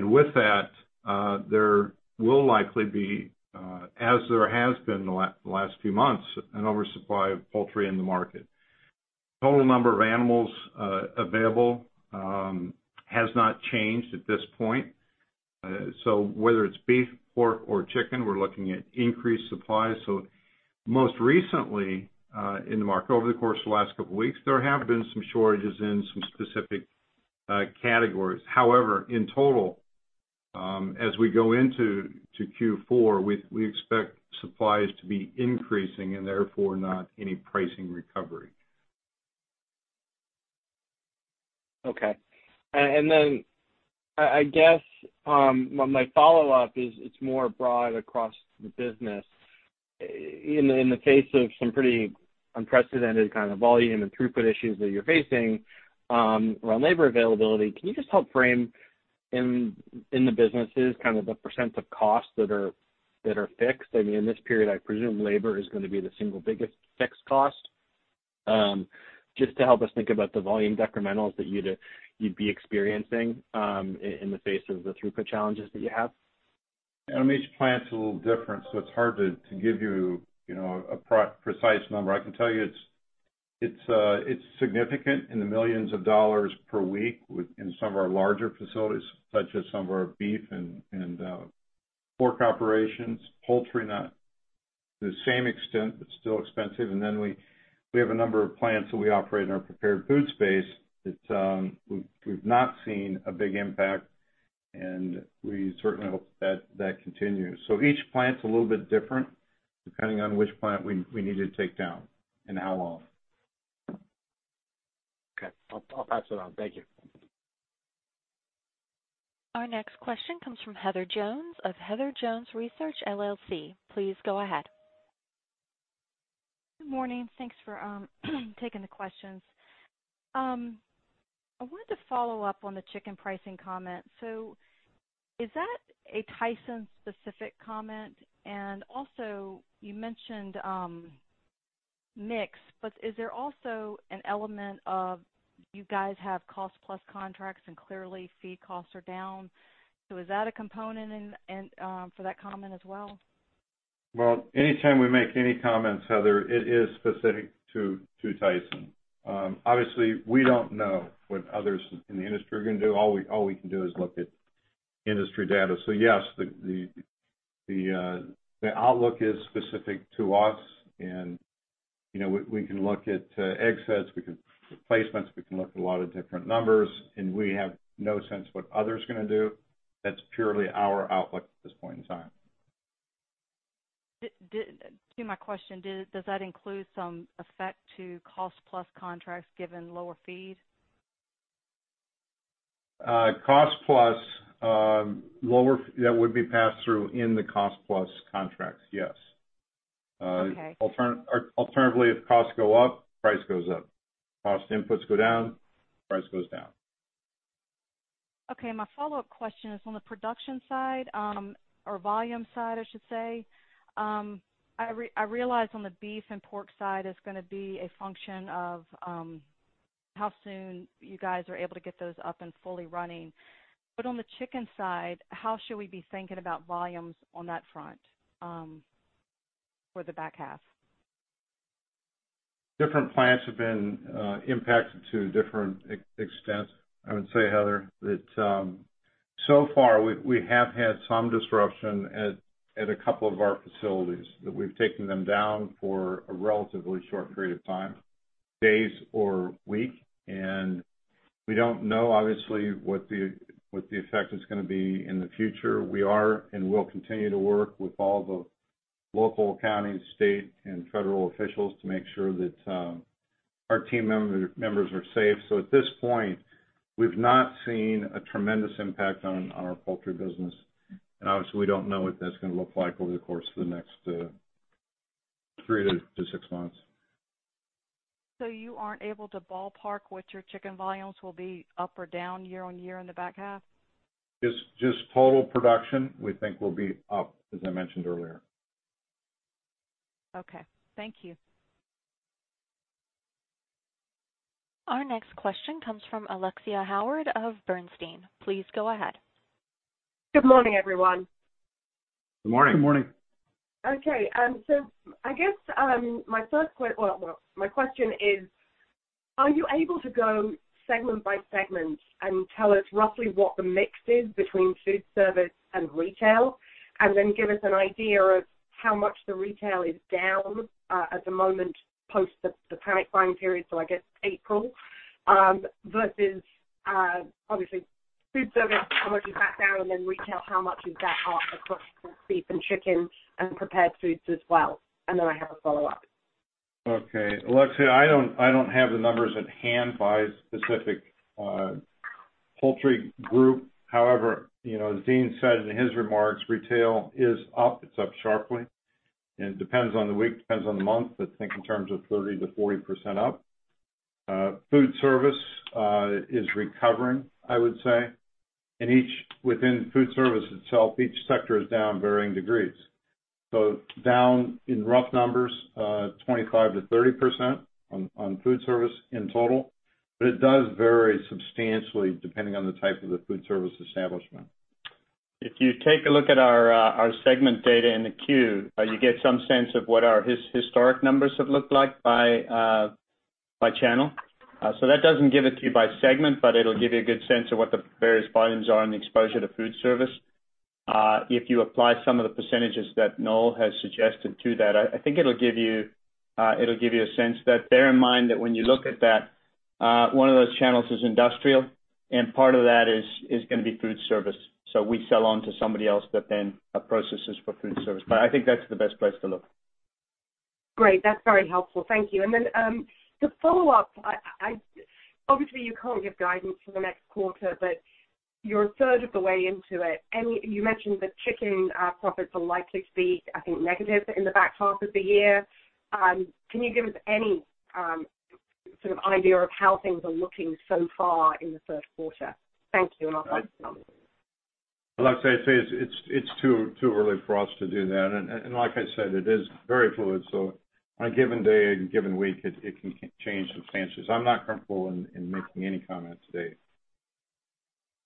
With that, there will likely be, as there has been the last few months, an oversupply of poultry in the market. Total number of animals available has not changed at this point. Whether it's beef, pork, or chicken, we're looking at increased supplies. Most recently, in the market over the course of the last couple of weeks, there have been some shortages in some specific categories. However, in total, as we go into Q4, we expect supplies to be increasing and therefore not any pricing recovery. Okay. I guess my follow-up is more broad across the business. In the face of some pretty unprecedented kind of volume and throughput issues that you're facing around labor availability, can you just help frame in the businesses, the % of costs that are fixed. In this period, I presume labor is going to be the single biggest fixed cost. Just to help us think about the volume decrementals that you'd be experiencing in the face of the throughput challenges that you have. Each plant's a little different. It's hard to give you a precise number. I can tell you it's significant, in the millions of dollars per week in some of our larger facilities, such as some of our beef and pork operations. Poultry, not the same extent. It's still expensive. We have a number of plants that we operate in our prepared food space that we've not seen a big impact, and we certainly hope that continues. Each plant's a little bit different depending on which plant we need to take down and how long. Okay. I'll pass it on. Thank you. Our next question comes from Heather Jones of Heather Jones Research, LLC. Please go ahead. Good morning. Thanks for taking the questions. I wanted to follow up on the chicken pricing comment. Is that a Tyson-specific comment? Also, you mentioned mix, but is there also an element of you guys have cost-plus contracts and clearly feed costs are down. Is that a component for that comment as well? Well, anytime we make any comments, Heather, it is specific to Tyson. Obviously, we don't know what others in the industry are going to do. All we can do is look at industry data. Yes, the outlook is specific to us and we can look at egg sets, we can look at placements, we can look at a lot of different numbers, and we have no sense what others are going to do. That's purely our outlook at this point in time. To my question, does that include some effect to cost-plus contracts given lower feed? Cost-plus, that would be passed through in the cost-plus contracts, yes. Okay. Alternatively, if costs go up, price goes up. Cost inputs go down, price goes down. Okay, my follow-up question is on the production side or volume side, I should say. I realize on the beef and pork side, it's going to be a function of how soon you guys are able to get those up and fully running. On the chicken side, how should we be thinking about volumes on that front for the back half? Different plants have been impacted to different extents. I would say, Heather, that so far we have had some disruption at a couple of our facilities that we've taken them down for a relatively short period of time, days or a week. We don't know, obviously, what the effect is going to be in the future. We are and will continue to work with all the local county, state, and federal officials to make sure that our team members are safe. At this point, we've not seen a tremendous impact on our poultry business. Obviously, we don't know what that's going to look like over the course of the next three to six months. You aren't able to ballpark what your chicken volumes will be up or down year-on-year in the back half? Just total production we think will be up, as I mentioned earlier. Okay. Thank you. Our next question comes from Alexia Howard of Bernstein. Please go ahead. Good morning, everyone. Good morning. Good morning. Okay. I guess my question is, are you able to go segment by segment and tell us roughly what the mix is between food service and retail? Give us an idea of how much the retail is down at the moment post the panic buying period, so I guess April, versus obviously food service, how much is that down? Retail, how much is that up across both beef and chicken and prepared foods as well? I have a follow-up. Okay, Alexia, I don't have the numbers at hand by specific poultry group. However, as Dean said in his remarks, retail is up. It's up sharply, and it depends on the week, depends on the month, but think in terms of 30%-40% up. Food service is recovering, I would say. Within food service itself, each sector is down varying degrees. Down in rough numbers, 25%-30% on food service in total. It does vary substantially depending on the type of the food service establishment. If you take a look at our segment data in the Q, you get some sense of what our historic numbers have looked like by channel. That doesn't give it to you by segment, but it'll give you a good sense of what the various volumes are and the exposure to food service. If you apply some of the percentages that Noel has suggested to that, I think it'll give you a sense that bear in mind that when you look at that, one of those channels is industrial, and part of that is going to be food service. We sell on to somebody else that then processes for food service. I think that's the best place to look. Great. That's very helpful. Thank you. Then, the follow-up, obviously, you can't give guidance for the next quarter, but you're a third of the way into it. You mentioned the chicken profits are likely to be, I think, negative in the back half of the year. Can you give us any? Sort of idea of how things are looking so far in the third quarter. Thank you. I'll pass it on. Alexia, I'd say it's too early for us to do that. Like I said, it is very fluid, on a given day, a given week, it can change substantially. I'm not comfortable in making any comment today.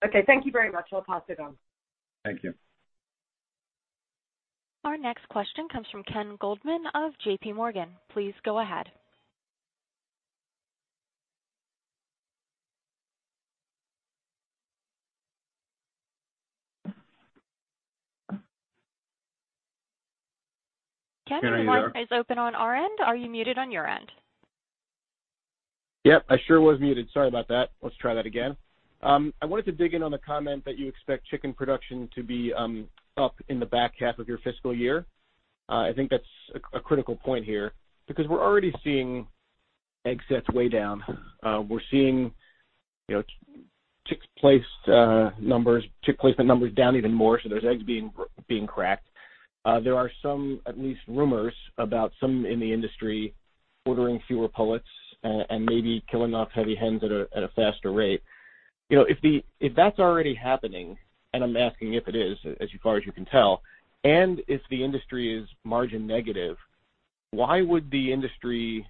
Okay. Thank you very much. I'll pass it on. Thank you. Our next question comes from Ken Goldman of J.P. Morgan. Please go ahead. Ken, your line is open on our end. Are you muted on your end? Yep, I sure was muted. Sorry about that. Let's try that again. I wanted to dig in on the comment that you expect chicken production to be up in the back half of your fiscal year. I think that's a critical point here because we're already seeing egg sets way down. We're seeing chick placement numbers down even more, so there's eggs being cracked. There are some, at least rumors, about some in the industry ordering fewer pullets and maybe killing off heavy hens at a faster rate. If that's already happening, and I'm asking if it is, as far as you can tell, and if the industry is margin negative, why would the industry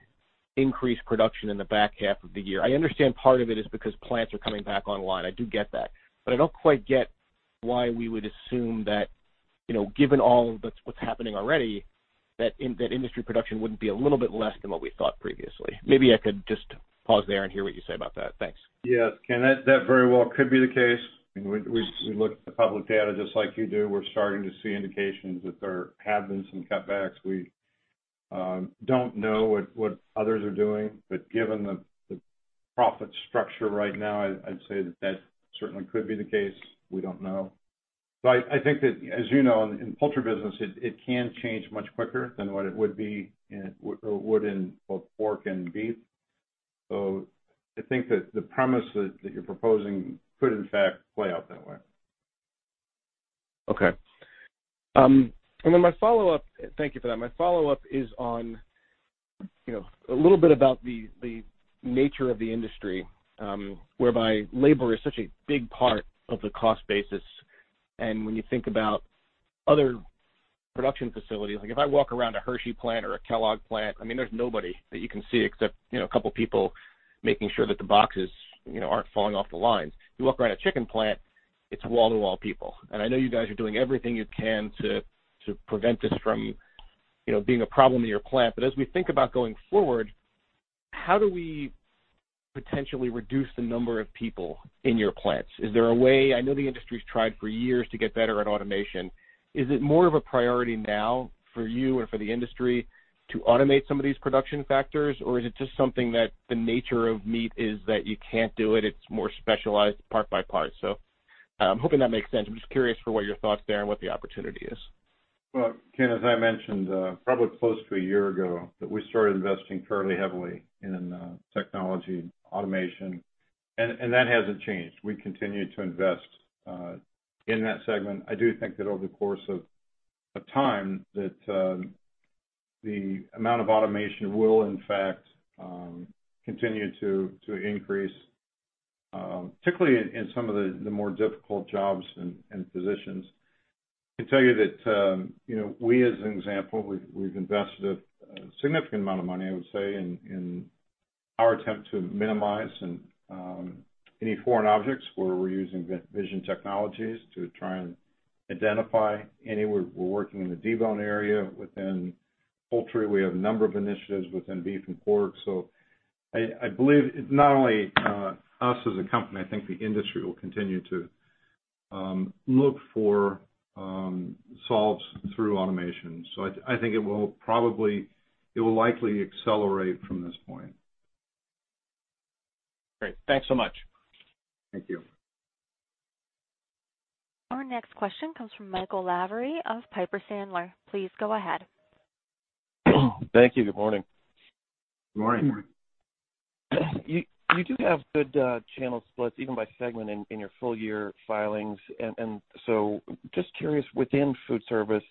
increase production in the back half of the year? I understand part of it is because plants are coming back online. I do get that. I don't quite get why we would assume that, given all that's what's happening already, that industry production wouldn't be a little bit less than what we thought previously. Maybe I could just pause there and hear what you say about that. Thanks. Yes, Ken, that very well could be the case. We look at the public data just like you do. We're starting to see indications that there have been some cutbacks. We don't know what others are doing, but given the profit structure right now, I'd say that certainly could be the case. We don't know. I think that, as you know, in the poultry business, it can change much quicker than what it would in both pork and beef. I think that the premise that you're proposing could, in fact, play out that way. Okay. Thank you for that. My follow-up is on a little bit about the nature of the industry, whereby labor is such a big part of the cost basis. When you think about other production facilities, like if I walk around a Hershey plant or a Kellogg plant, there's nobody that you can see except a couple of people making sure that the boxes aren't falling off the lines. If you walk around a chicken plant, it's wall-to-wall people. I know you guys are doing everything you can to prevent this from being a problem in your plant. As we think about going forward, how do we potentially reduce the number of people in your plants? I know the industry's tried for years to get better at automation. Is it more of a priority now for you or for the industry to automate some of these production factors? Or is it just something that the nature of meat is that you can't do it's more specialized part by part? I'm hoping that makes sense. I'm just curious for what your thoughts there and what the opportunity is. Well, Ken, as I mentioned, probably close to a year ago, that we started investing fairly heavily in technology automation, and that hasn't changed. We continue to invest in that segment. I do think that over the course of time, that the amount of automation will in fact continue to increase, particularly in some of the more difficult jobs and positions. I can tell you that we, as an example, we've invested a significant amount of money, I would say, in our attempt to minimize any foreign objects where we're using vision technologies to try and identify any. We're working in the debone area within poultry. We have a number of initiatives within beef and pork. I believe not only us as a company, I think the industry will continue to look for solves through automation. I think it will likely accelerate from this point. Great. Thanks so much. Thank you. Our next question comes from Michael Lavery of Piper Sandler. Please go ahead. Thank you. Good morning. Good morning. You do have good channel splits even by segment in your full year filings. Just curious, within food service,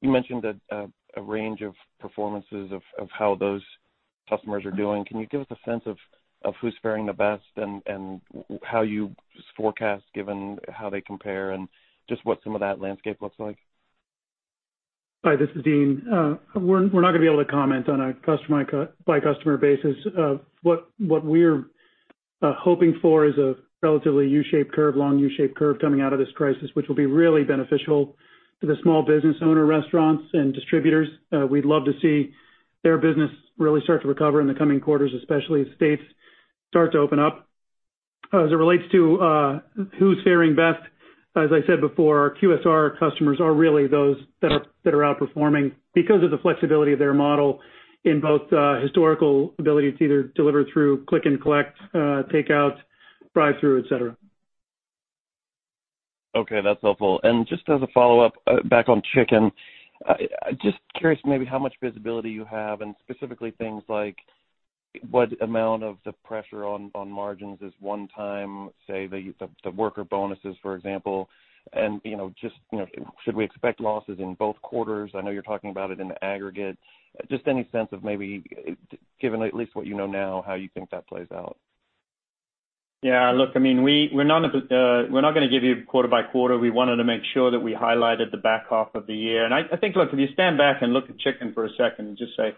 you mentioned a range of performances of how those customers are doing. Can you give us a sense of who's faring the best and how you forecast given how they compare and just what some of that landscape looks like? Hi, this is Dean. We're not going to be able to comment on a customer by customer basis. What we're hoping for is a relatively U-shaped curve, long U-shaped curve coming out of this crisis, which will be really beneficial to the small business owner restaurants and distributors. We'd love to see their business really start to recover in the coming quarters, especially as states start to open up. As it relates to who's faring best, as I said before, our QSR customers are really those that are outperforming because of the flexibility of their model in both historical ability to either deliver through click and collect, takeout, drive through, et cetera. Okay, that's helpful. Just as a follow-up back on chicken, just curious maybe how much visibility you have and specifically things like what amount of the pressure on margins is one time, say, the worker bonuses, for example, and should we expect losses in both quarters? I know you're talking about it in aggregate. Just any sense of maybe given at least what you know now, how you think that plays out? Look, we're not going to give you quarter by quarter. We wanted to make sure that we highlighted the back half of the year. I think, look, if you stand back and look at chicken for a second and just say,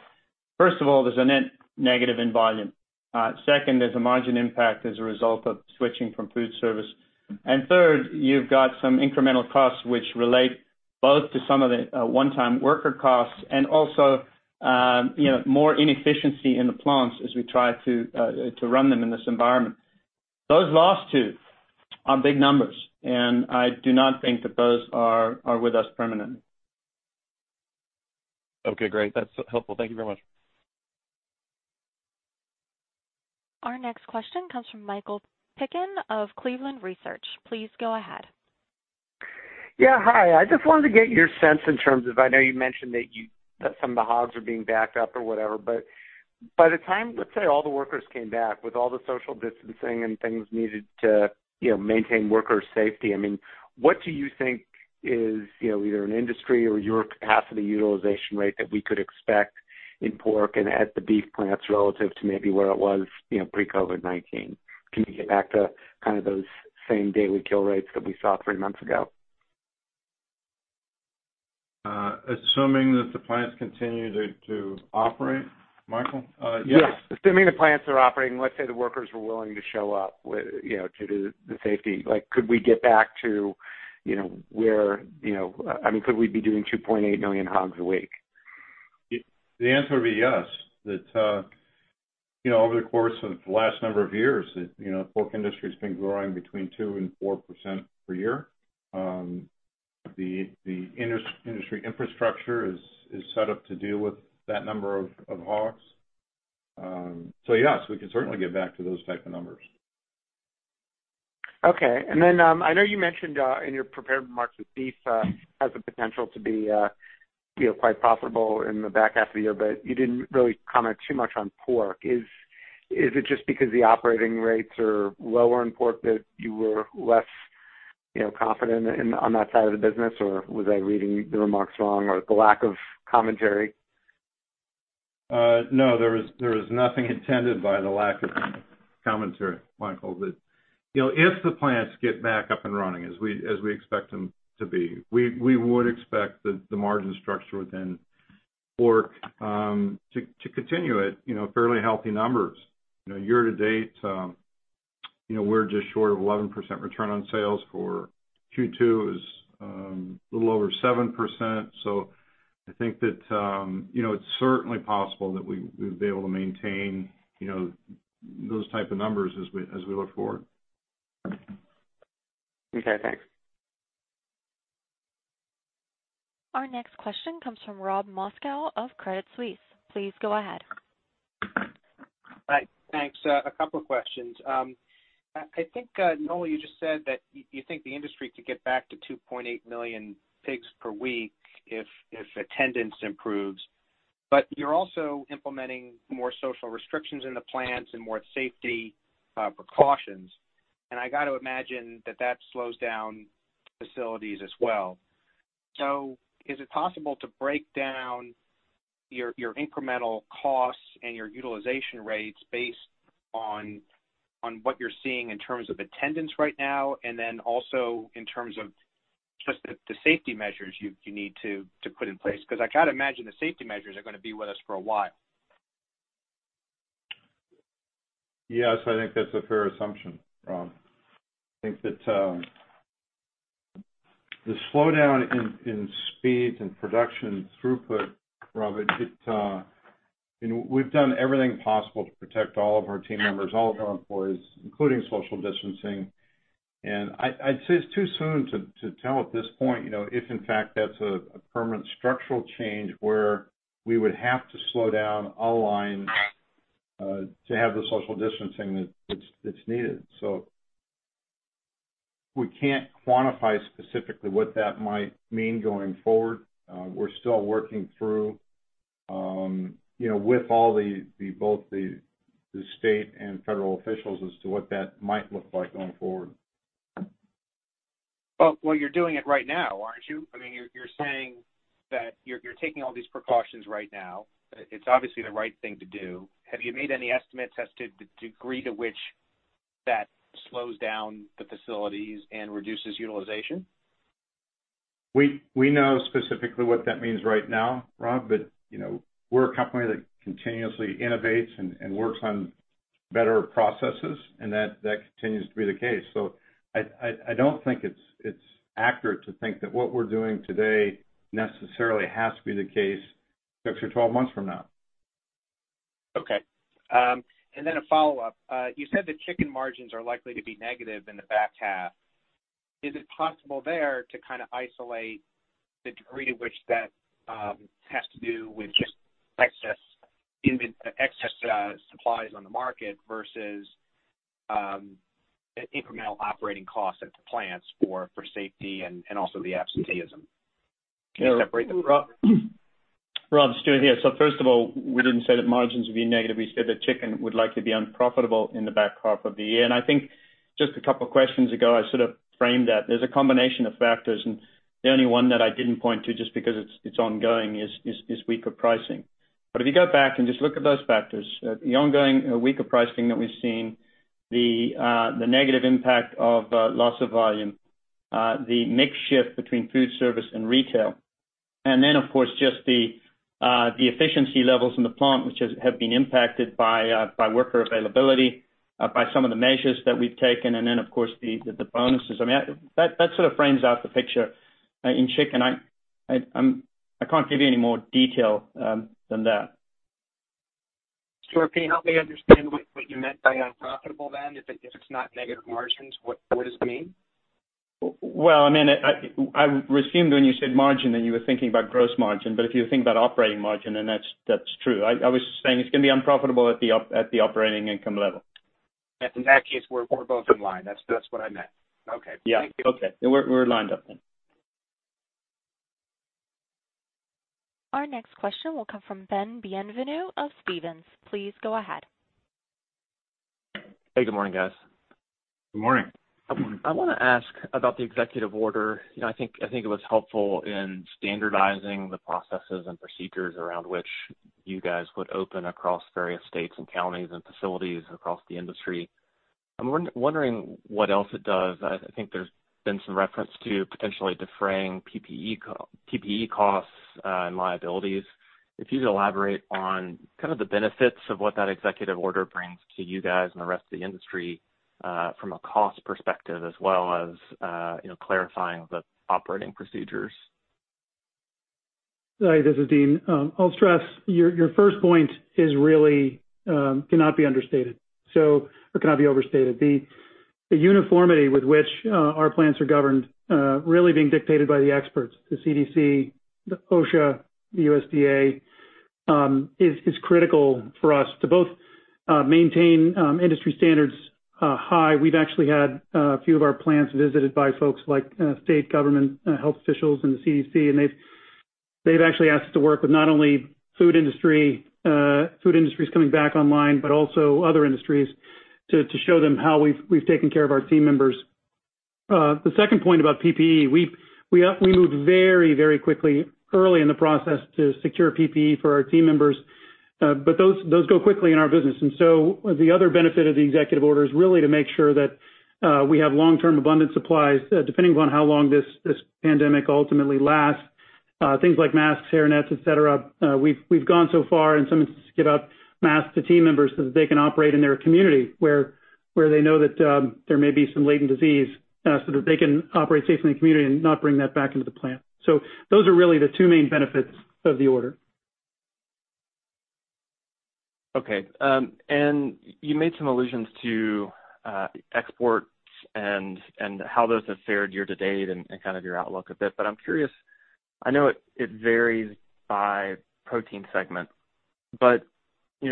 first of all, there's a net negative in volume. Second, there's a margin impact as a result of switching from food service. Third, you've got some incremental costs which relate both to some of the one-time worker costs and also more inefficiency in the plants as we try to run them in this environment. Those last two are big numbers, and I do not think that those are with us permanently. Okay, great. That's helpful. Thank you very much. Our next question comes from Michael Picken of Cleveland Research. Please go ahead. Yeah. Hi. I just wanted to get your sense in terms of, I know you mentioned that some of the hogs are being backed up or whatever, but by the time, let's say, all the workers came back with all the social distancing and things needed to maintain worker safety, what do you think is either an industry or your capacity utilization rate that we could expect in pork and at the beef plants relative to maybe where it was pre-COVID-19? Can you get back to those same daily kill rates that we saw three months ago? Assuming that the plants continue to operate, Michael? Yes. Yes. Assuming the plants are operating, let's say the workers were willing to show up to do the safety, could we get back to doing 2.8 million hogs a week? The answer would be yes. Over the course of the last number of years, the pork industry's been growing between 2% and 4% per year. The industry infrastructure is set up to deal with that number of hogs. Yes, we can certainly get back to those type of numbers. Okay. Then, I know you mentioned in your prepared remarks that beef has the potential to be quite profitable in the back half of the year, but you didn't really comment too much on pork. Is it just because the operating rates are lower in pork that you were less confident on that side of the business, or was I reading the remarks wrong or the lack of commentary? There was nothing intended by the lack of commentary, Michael. If the plants get back up and running as we expect them to be, we would expect the margin structure within pork to continue at fairly healthy numbers. Year to date, we're just short of 11% return on sales for Q2 is a little over 7%. I think that it's certainly possible that we would be able to maintain those type of numbers as we look forward. Okay, thanks. Our next question comes from Robert Moskow of Credit Suisse. Please go ahead. Hi. Thanks. A couple of questions. I think, Noel, you just said that you think the industry could get back to 2.8 million pigs per week if attendance improves. You're also implementing more social restrictions in the plants and more safety precautions. I got to imagine that that slows down facilities as well. Is it possible to break down your incremental costs and your utilization rates based on what you're seeing in terms of attendance right now, and also in terms of just the safety measures you need to put in place? Because I got to imagine the safety measures are going to be with us for a while. Yes, I think that's a fair assumption, Rob. I think that the slowdown in speeds and production throughput, Rob, we've done everything possible to protect all of our team members, all of our employees, including social distancing. I'd say it's too soon to tell at this point, if in fact, that's a permanent structural change where we would have to slow down a line to have the social distancing that's needed. We can't quantify specifically what that might mean going forward. We're still working through with both the state and federal officials as to what that might look like going forward. You're doing it right now, aren't you? You're saying that you're taking all these precautions right now. It's obviously the right thing to do. Have you made any estimates as to the degree to which that slows down the facilities and reduces utilization? We know specifically what that means right now, Rob, we're a company that continuously innovates and works on better processes, and that continues to be the case. I don't think it's accurate to think that what we're doing today necessarily has to be the case six or 12 months from now. Okay. A follow-up. You said the chicken margins are likely to be negative in the back half. Is it possible there to kind of isolate the degree to which that has to do with just excess supplies on the market versus incremental operating costs at the plants for safety and also the absenteeism? Can you separate them? Rob, it's Stewart here. First of all, we didn't say that margins would be negative. We said that chicken would likely be unprofitable in the back half of the year. I think just a couple of questions ago, I sort of framed that. There's a combination of factors, and the only one that I didn't point to, just because it's ongoing, is weaker pricing. If you go back and just look at those factors, the ongoing weaker pricing that we've seen, the negative impact of loss of volume, the mix shift between food service and retail, and then, of course, just the efficiency levels in the plant, which have been impacted by worker availability, by some of the measures that we've taken, and then, of course, the bonuses. That sort of frames out the picture in chicken. I can't give you any more detail than that. Sure. Can you help me understand what you meant by unprofitable, then? If it's not negative margins, what does it mean? Well, I presumed when you said margin that you were thinking about gross margin, but if you think about operating margin, then that's true. I was saying it's going to be unprofitable at the operating income level. In that case, we're both in line. That's what I meant. Okay. Thank you. Yeah. Okay. We're lined up then. Our next question will come from Ben Bienvenu of Stephens. Please go ahead. Hey, good morning, guys. Good morning. I want to ask about the executive order. I think it was helpful in standardizing the processes and procedures around which you guys would open across various states and counties and facilities across the industry. I'm wondering what else it does. I think there's been some reference to potentially defraying PPE costs and liabilities. If you could elaborate on kind of the benefits of what that executive order brings to you guys and the rest of the industry, from a cost perspective as well as clarifying the operating procedures. Hi, this is Dean. I'll stress your first point really cannot be understated. Or cannot be overstated. The uniformity with which our plants are governed, really being dictated by the experts, the CDC, OSHA, the USDA, is critical for us to both maintain industry standards high. We've actually had a few of our plants visited by folks like state government health officials and the CDC, and they've actually asked to work with not only food industries coming back online, but also other industries to show them how we've taken care of our team members. The second point about PPE, we moved very quickly early in the process to secure PPE for our team members. Those go quickly in our business. The other benefit of the executive order is really to make sure that we have long-term abundant supplies, depending upon how long this pandemic ultimately lasts. Things like masks, hair nets, et cetera. We've gone so far in some instances to give out masks to team members so that they can operate in their community where they know that there may be some latent disease, so that they can operate safely in the community and not bring that back into the plant. Those are really the two main benefits of the order. Okay. You made some allusions to exports and how those have fared year to date and kind of your outlook a bit. I'm curious, I know it varies by protein segment, but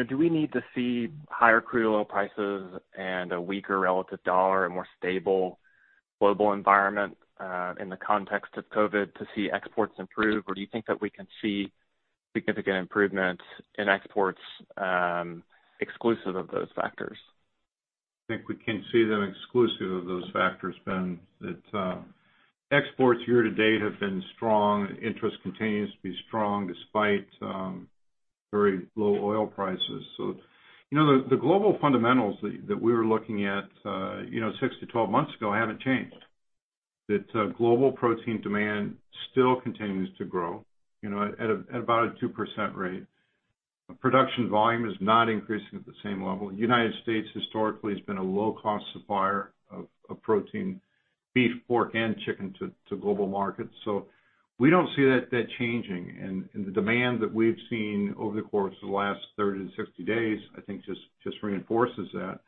do we need to see higher crude oil prices and a weaker relative dollar, a more stable global environment in the context of COVID to see exports improve? Do you think that we can see significant improvements in exports exclusive of those factors? I think we can see them exclusive of those factors, Ben. Exports year to date have been strong. Interest continues to be strong despite very low oil prices. The global fundamentals that we were looking at six to 12 months ago haven't changed, that global protein demand still continues to grow at about a 2% rate. Production volume is not increasing at the same level. U.S. historically has been a low-cost supplier of protein, beef, pork, and chicken, to global markets. We don't see that changing. The demand that we've seen over the course of the last 30 to 60 days, I think just reinforces that.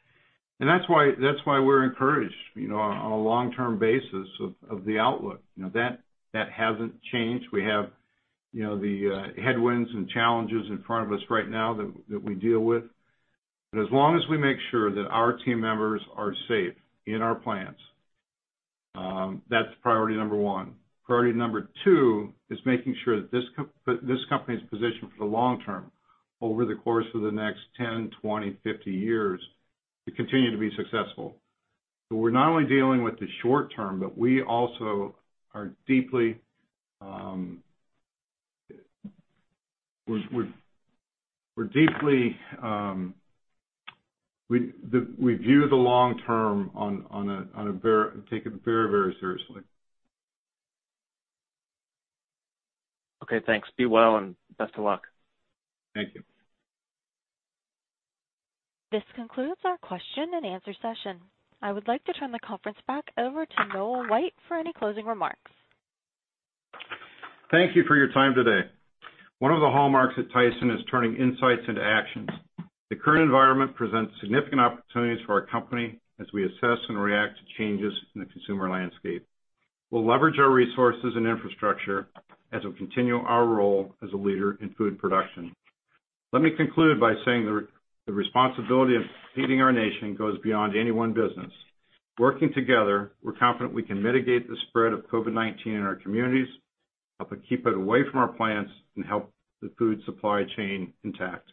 That's why we're encouraged on a long-term basis of the outlook. That hasn't changed. We have the headwinds and challenges in front of us right now that we deal with. As long as we make sure that our team members are safe in our plants, that's priority number one. Priority number two is making sure that this company is positioned for the long term over the course of the next 10, 20, 50 years to continue to be successful. We're not only dealing with the short term, but we view the long term and take it very seriously. Okay, thanks. Be well and best of luck. Thank you. This concludes our question-and-answer session. I would like to turn the conference back over to Noel White for any closing remarks. Thank you for your time today. One of the hallmarks at Tyson is turning insights into actions. The current environment presents significant opportunities for our company as we assess and react to changes in the consumer landscape. We'll leverage our resources and infrastructure as we continue our role as a leader in food production. Let me conclude by saying the responsibility of feeding our nation goes beyond any one business. Working together, we're confident we can mitigate the spread of COVID-19 in our communities, help to keep it away from our plants, and help the food supply chain intact.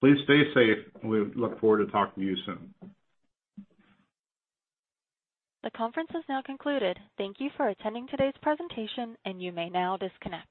Please stay safe. We look forward to talking to you soon. The conference is now concluded. Thank you for attending today's presentation, and you may now disconnect.